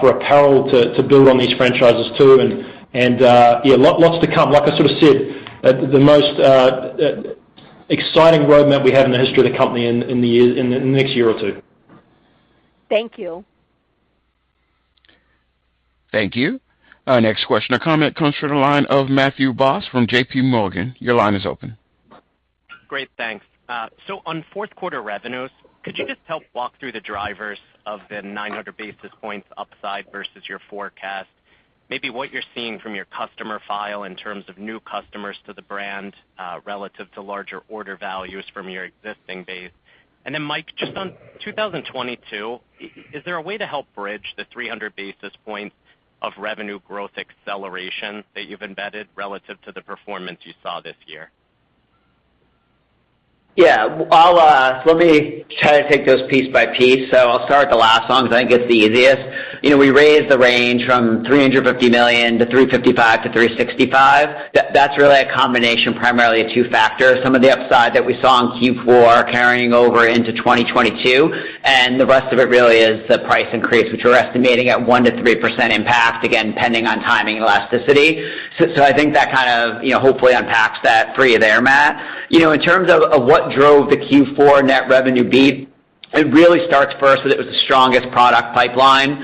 for apparel to build on these franchises too. Yeah, lots to come. Like I sort of said, the most exciting roadmap we have in the history of the company in the next year or two. Thank you. Thank you. Our next question or comment comes from the line of Matthew Boss from JP Morgan. Your line is open. Great, thanks. So on fourth quarter revenues, could you just help walk through the drivers of the 900 basis points upside versus your forecast? Maybe what you're seeing from your customer file in terms of new customers to the brand, relative to larger order values from your existing base. Then Mike, just on 2022, is there a way to help bridge the 300 basis points of revenue growth acceleration that you've embedded relative to the performance you saw this year? Yeah. Let me try to take those pieces piece by piece. I'll start with the last one 'cause I think it's the easiest. You know, we raised the range from $350 million to $355-$365 million. That's really a combination, primarily of two factors, some of the upside that we saw in Q4 carrying over into 2022, and the rest of it really is the price increase, which we're estimating at 1%-3% impact, again, depending on timing and elasticity. I think that kind of, you know, hopefully unpacks that for you there, Matt. You know, in terms of what drove the Q4 net revenue beat, it really starts first with it was the strongest product pipeline,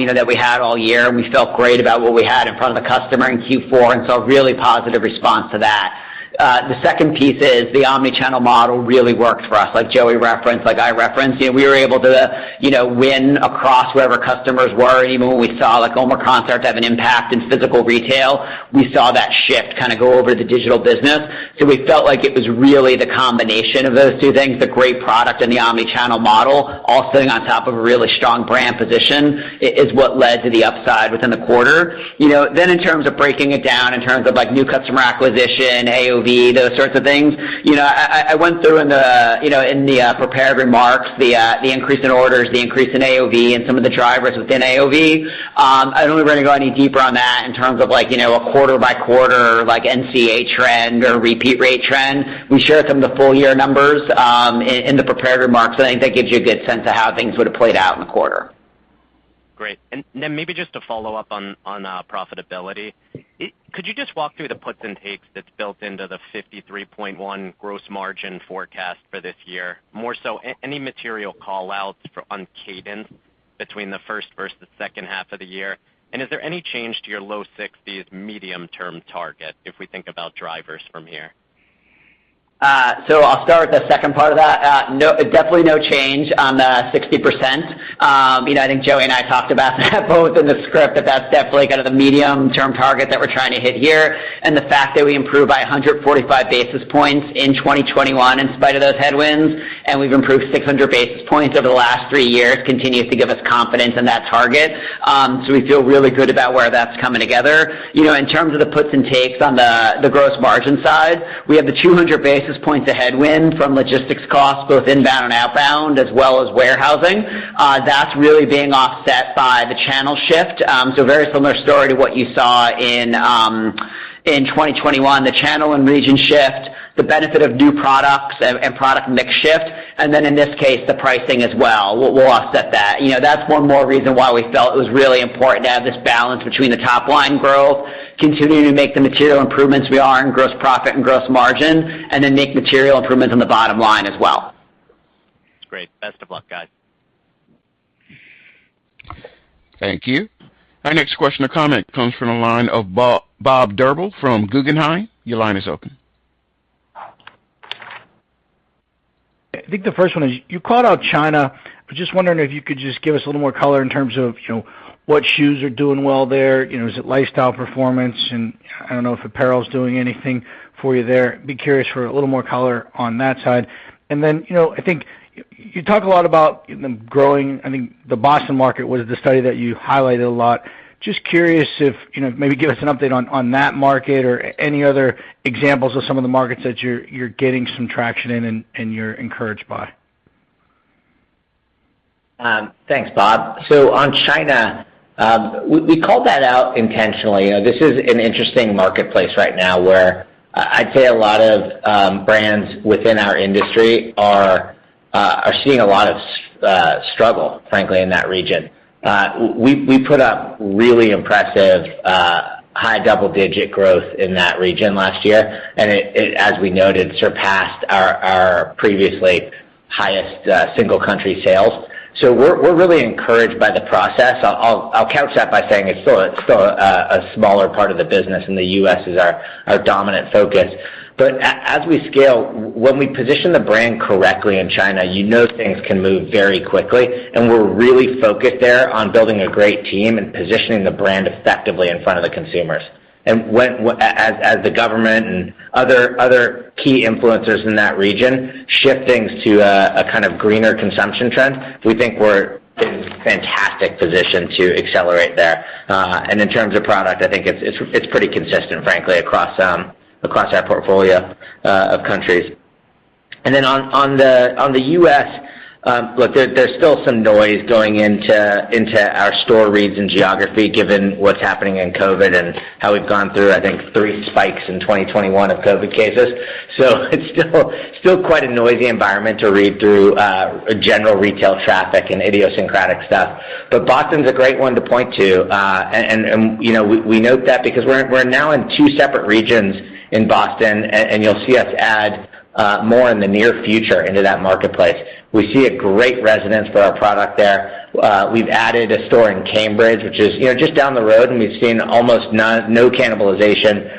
you know, that we had this year. We felt great about what we had in front of the customer in Q4, and a really positive response to that. The second piece is the omni-channel model really worked for us, like Joey referenced, like I referenced. You know, we were able to win across wherever customers were, even when we saw, like, Omicron start to have an impact in physical retail. We saw that shift kind of go over to the digital business. We felt like it was really the combination of those two things, the great product and the omni-channel model, all sitting on top of a really strong brand position is what led to the upside within the quarter. You know, in terms of breaking it down in terms of, like, new customer acquisition, AOV, those sorts of things, you know, I went through in the prepared remarks the increase in orders, the increase in AOV, and some of the drivers within AOV. I don't know if we're gonna go any deeper on that in terms of, like, you know, a quarter by quarter, like, NCA trend or repeat rate trend. We shared some of the full year numbers in the prepared remarks, so I think that gives you a good sense of how things would have played out in the quarter. Great. Maybe just to follow up on profitability. Could you just walk through the puts and takes that's built into the 53.1% gross margin forecast for this year? More so any material call-outs on cadence between the first versus second half of the year. Is there any change to your low 60s% medium-term target if we think about drivers from here? I'll start with the second part of that. No, definitely no change on the 60%. You know, I think Joey and I talked about both in the script that that's definitely kind of the medium term target that we're trying to hit here. The fact that we improved by 145 basis points in 2021 in spite of those headwinds, and we've improved 600 basis points over the last three years, continues to give us confidence in that target. We feel really good about where that's coming together. You know, in terms of the puts and takes on the gross margin side, we have 200 basis points of headwind from logistics costs, both inbound and outbound, as well as warehousing. That's really being offset by the channel shift. Very similar story to what you saw in 2021. The channel and region shift, the benefit of new products and product mix shift, and then in this case, the pricing as well will offset that. You know, that's one more reason why we felt it was really important to have this balance between the top line growth, continuing to make the material improvements we are in gross profit and gross margin, and then make material improvements on the bottom line as well. Great. Best of luck, guys. Thank you. Our next question or comment comes from the line of Bob Drbul from Guggenheim. Your line is open. I think the first one is you called out China. I was just wondering if you could just give us a little more color in terms of, you know, what shoes are doing well there. You know, is it lifestyle performance? I don't know if apparel is doing anything for you there. I'd be curious for a little more color on that side. Then, you know, I think you talk a lot about them growing. I think the Boston market was the study that you highlighted a lot. I'm just curious if, you know, maybe give us an update on that market or any other examples of some of the markets that you're getting some traction in and you're encouraged by. Thanks, Bob. On China, we called that out intentionally. You know, this is an interesting marketplace right now where I'd say a lot of brands within our industry are seeing a lot of struggle, frankly, in that region. We put up really impressive high double-digit growth in that region last year, and it as we noted surpassed our previously highest single country sales. We're really encouraged by the process. I'll couch that by saying it's still a smaller part of the business, and the U.S. is our dominant focus. As we scale, when we position the brand correctly in China, you know things can move very quickly, and we're really focused there on building a great team and positioning the brand effectively in front of the consumers. When as the government and other key influencers in that region shift things to a kind of greener consumption trend, we think we're in a fantastic position to accelerate there. In terms of product, I think it's pretty consistent, frankly, across our portfolio of countries. Then on the U.S., look, there's still some noise going into our store reads and geography given what's happening in COVID and how we've gone through, I think, three spikes in 2021 of COVID cases. It's still quite a noisy environment to read through general retail traffic and idiosyncratic stuff. Boston's a great one to point to. We note that because we're now in two separate regions in Boston, and you'll see us add more in the near future into that marketplace. We see a great resonance for our product there. We've added a store in Cambridge, which is just down the road, and we've seen almost no cannibalization.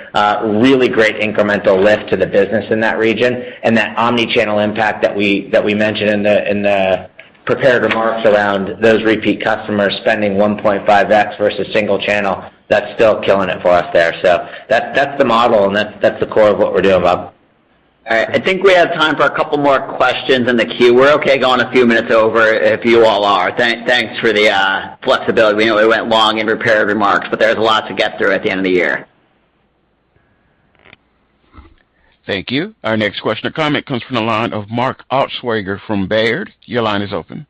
Really great incremental lift to the business in that region. That omni-channel impact that we mentioned in the prepared remarks around those repeat customers spending 1.5x versus single channel, that's still killing it for us there. That's the model and that's the core of what we're doing, Bob Drbul. All right. I think we have time for a couple more questions in the queue. We're okay going a few minutes over if you all are. Thanks for the flexibility. We know we went long in prepared remarks, but there was a lot to get through at the end of the year. Thank you. Our next question or comment comes from the line of Mark Altschwager from Baird. Your line is open.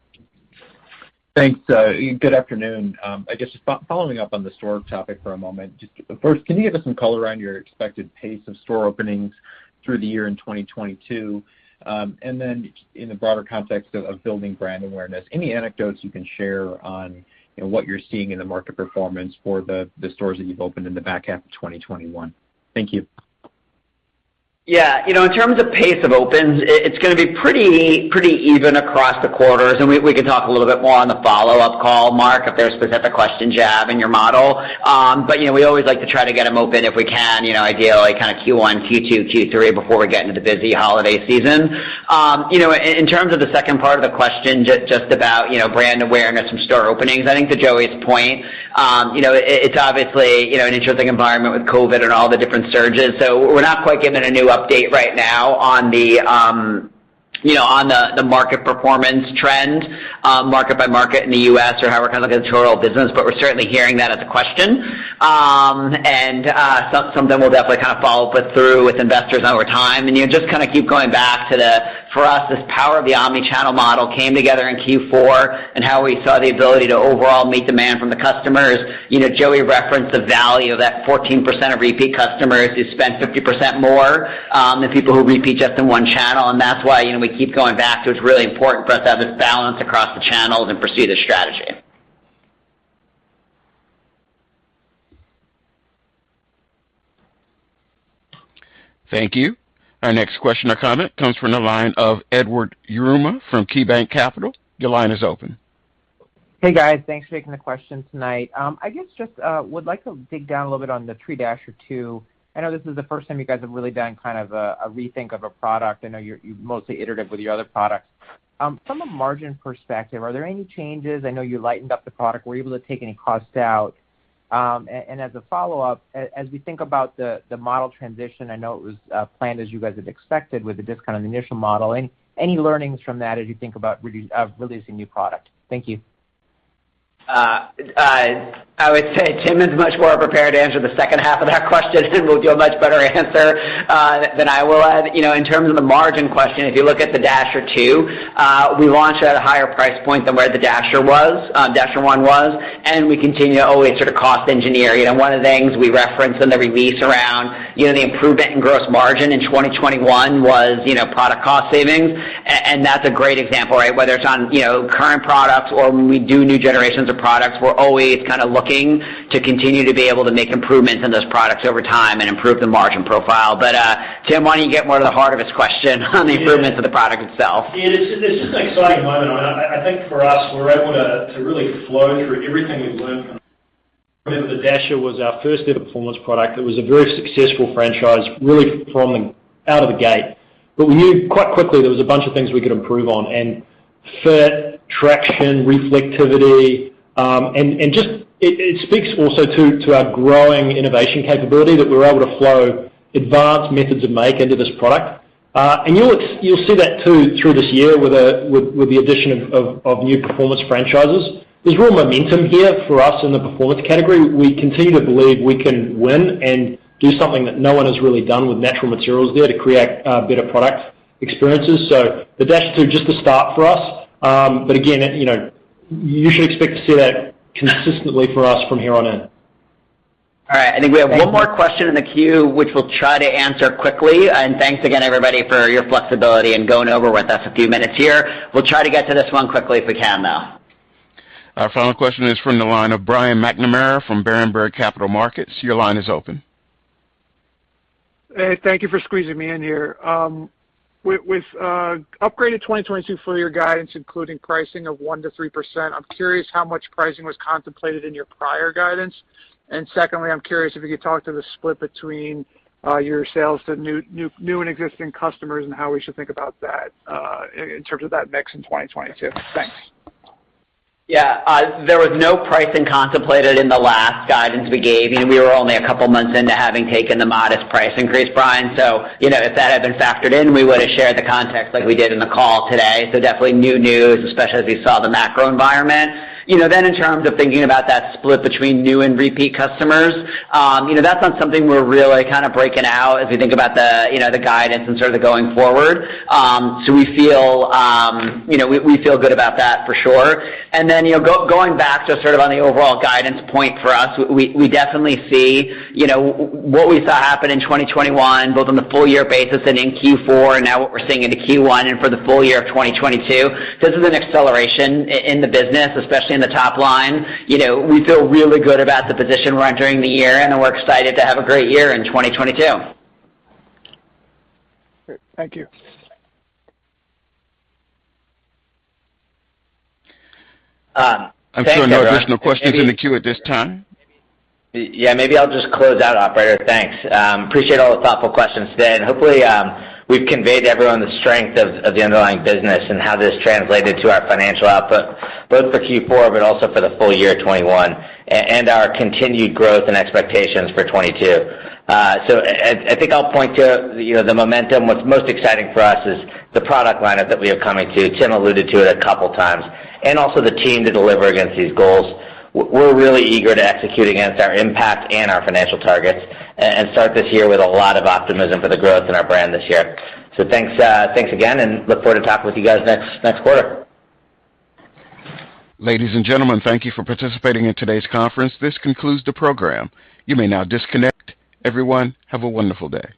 Thanks. Good afternoon. I guess just following up on the store topic for a moment. Just first, can you give us some color on your expected pace of store openings through the year in 2022? And then in the broader context of building brand awareness, any anecdotes you can share on, you know, what you're seeing in the market performance for the stores that you've opened in the back half of 2021? Thank you. Yeah. You know, in terms of pace of opens, it's gonna be pretty even across the quarters. We can talk a little bit more on the follow-up call, Mark, if there's specific questions you have in your model. You know, we always like to try to get them open if we can, you know, ideally kind of Q1, Q2, Q3, before we get into the busy holiday season. You know, in terms of the second part of the question, just about, you know, brand awareness from store openings, I think to Joey's point, you know, it's obviously, you know, an interesting environment with COVID and all the different surges. We're not quite giving a new update right now on the, you know, on the market performance trend, market by market in the U.S. or how we're kinda looking at the total business, but we're certainly hearing that as a question. That's something we'll definitely kind of follow up with investors over time. You know, just kinda keep going back to the, for us, this power of the omni-channel model came together in Q4 and how we saw the ability to overall meet demand from the customers. You know, Joey referenced the value of that 14% of repeat customers who spend 50% more than people who repeat just in one channel, and that's why, you know, we keep going back to it's really important for us to have this balance across the channels and pursue this strategy. Thank you. Our next question or comment comes from the line of Edward Yruma from KeyBanc Capital. Your line is open. Hey, guys. Thanks for taking the question tonight. I guess just would like to dig down a little bit on the Tree Dasher 2. I know this is the first time you guys have really done kind of a rethink of a product. I know you're mostly iterative with your other products. From a margin perspective, are there any changes? I know you lightened up the product. Were you able to take any costs out? And as a follow-up, as we think about the model transition, I know it was planned as you guys had expected with the discount of the initial model. Any learnings from that as you think about releasing new product? Thank you. I would say Tim is much more prepared to answer the second half of that question and will do a much better answer than I will. You know, in terms of the margin question, if you look at the Dasher 2, we launched at a higher price point than where the Dasher was, Dasher 1 was, and we continue to always sort of cost engineer. You know, one of the things we referenced in the release around, you know, the improvement in gross margin in 2021 was, you know, product cost savings. And that's a great example, right? Whether it's on, you know, current products or when we do new generations of products, we're always kind of looking to continue to be able to make improvements in those products over time and improve the margin profile. Tim, why don't you get more to the heart of his question on the improvements of the product itself? Yeah. It's just an exciting moment. I think for us, we're able to really flow through everything we've learned from Remember the Dasher was our first ever performance product. It was a very successful franchise, really from the out of the gate. We knew quite quickly there was a bunch of things we could improve on, fit, traction, reflectivity, and just. It speaks also to our growing innovation capability that we were able to flow advanced methods of make into this product. You'll see that too through this year with the addition of new performance franchises. There's real momentum here for us in the performance category. We continue to believe we can win and do something that no one has really done with natural materials there to create better product experiences. The Dasher 2 is just the start for us. Again, you know, you should expect to see that consistently for us from here on in. All right. I think we have one more question in the queue, which we'll try to answer quickly. Thanks again everybody for your flexibility in going over with us a few minutes here. We'll try to get to this one quickly if we can, though. Our final question is from the line of Brian McNamara from Berenberg Capital Markets. Your line is open. Hey, thank you for squeezing me in here. With upgraded 2022 full year guidance including pricing of 1%-3%, I'm curious how much pricing was contemplated in your prior guidance. Secondly, I'm curious if you could talk to the split between your sales to new and existing customers and how we should think about that in terms of that mix in 2022. Thanks. Yeah. There was no pricing contemplated in the last guidance we gave. You know, we were only a couple months into having taken the modest price increase, Brian. You know, if that had been factored in, we would've shared the context like we did in the call today. Definitely new news, especially as we saw the macro environment. You know, in terms of thinking about that split between new and repeat customers, you know, that's not something we're really kind of breaking out as we think about the, you know, the guidance and sort of the going forward. We feel, you know, we feel good about that for sure. You know, going back to sort of on the overall guidance point for us, we definitely see, you know, what we saw happen in 2021, both on the full year basis and in Q4, and now what we're seeing into Q1 and for the full year of 2022, this is an acceleration in the business, especially in the top line. You know, we feel really good about the position we're entering the year in, and we're excited to have a great year in 2022. Great. Thank you. Thank you everyone. I'm showing no additional questions in the queue at this time. Yeah, maybe I'll just close out, operator. Thanks. Appreciate all the thoughtful questions today, and hopefully, we've conveyed to everyone the strength of the underlying business and how this translated to our financial output, both for Q4 but also for the full year 2021, and our continued growth and expectations for 2022. I think I'll point tothe momentum. What's most exciting for us is the product lineup that we have coming to. Tim alluded to it a couple times, and also the team to deliver against these goals. We're really eager to execute against our impact and our financial targets and start this year with a lot of optimism for the growth in our brand this year. Thanks, thanks again, and look forward to talking with you guys next quarter. Ladies and gentlemen, thank you for participating in today's conference. This concludes the program. You may now disconnect. Everyone, have a wonderful day.